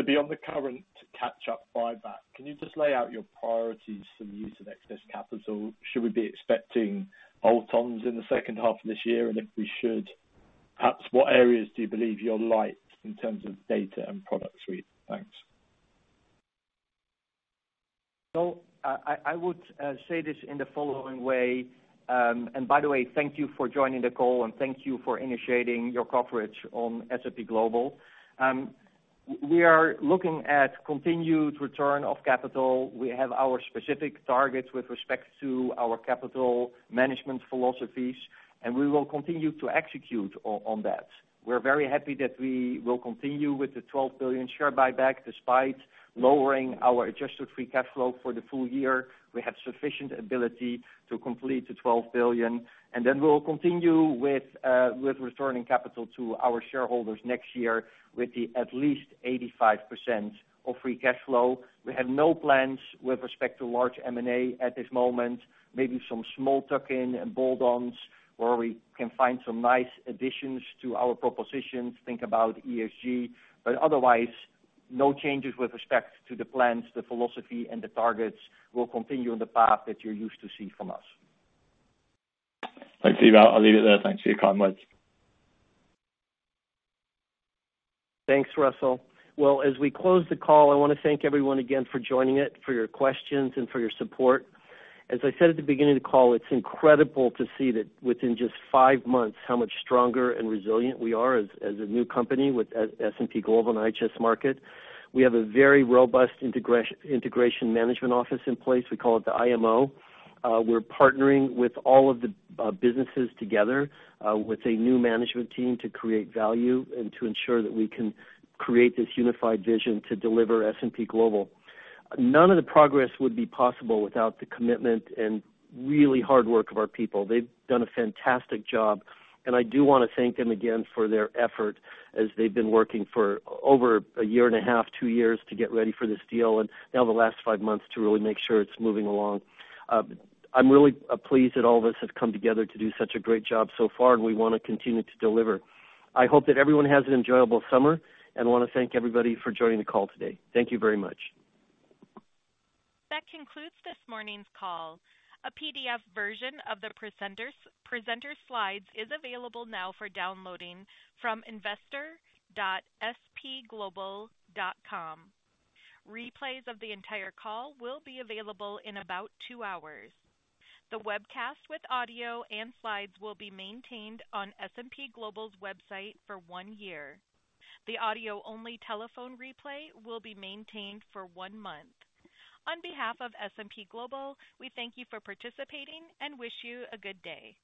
day. Regarding the current catch-up buyback, can you just lay out your priorities for the use of excess capital? Should we be expecting in the second half of this year? If we should, perhaps what areas do you believe you're light in terms of data and product suite? Thanks. I would say this in the following way. By the way, thank you for joining the call, and thank you for initiating your coverage on S&P Global. We are looking at continued return of capital. We have our specific targets with respect to our capital management philosophies, and we will continue to execute on that. We're very happy that we will continue with the $12 billion share buyback despite lowering our adjusted free cash flow for the full year. We have sufficient ability to complete the $12 billion, and then we'll continue with returning capital to our shareholders next year with the at least 85% of free cash flow. We have no plans with respect to large M&A at this moment. Maybe some small tuck-in and bolt-ons where we can find some nice additions to our propositions, think about ESG. Otherwise, no changes with respect to the plans, the philosophy, and the targets will continue on the path that you're used to see from us. Thanks, Ewout. I'll leave it there. Thanks for your comments. Thanks, Russell. Well, as we close the call, I wanna thank everyone again for joining it, for your questions, and for your support. As I said at the beginning of the call, it's incredible to see that within just five months, how much stronger and resilient we are as a new company with S&P Global and IHS Markit. We have a very robust integration management office in place. We call it the IMO. We're partnering with all of the businesses together with a new management team to create value and to ensure that we can create this unified vision to deliver S&P Global. None of the progress would be possible without the commitment and really hard work of our people. They've done a fantastic job, and I do wanna thank them again for their effort as they've been working for over a year and a half, two years to get ready for this deal, and now the last five months to really make sure it's moving along. I'm really pleased that all of us have come together to do such a great job so far, and we wanna continue to deliver. I hope that everyone has an enjoyable summer, and I wanna thank everybody for joining the call today. Thank you very much. That concludes this morning's call. A PDF version of the presenter's slides is available now for downloading from investor.spglobal.com. Replays of the entire call will be available in about two hours. The webcast with audio and slides will be maintained on S&P Global's website for one year. The audio-only telephone replay will be maintained for one month. On behalf of S&P Global, we thank you for participating and wish you a good day.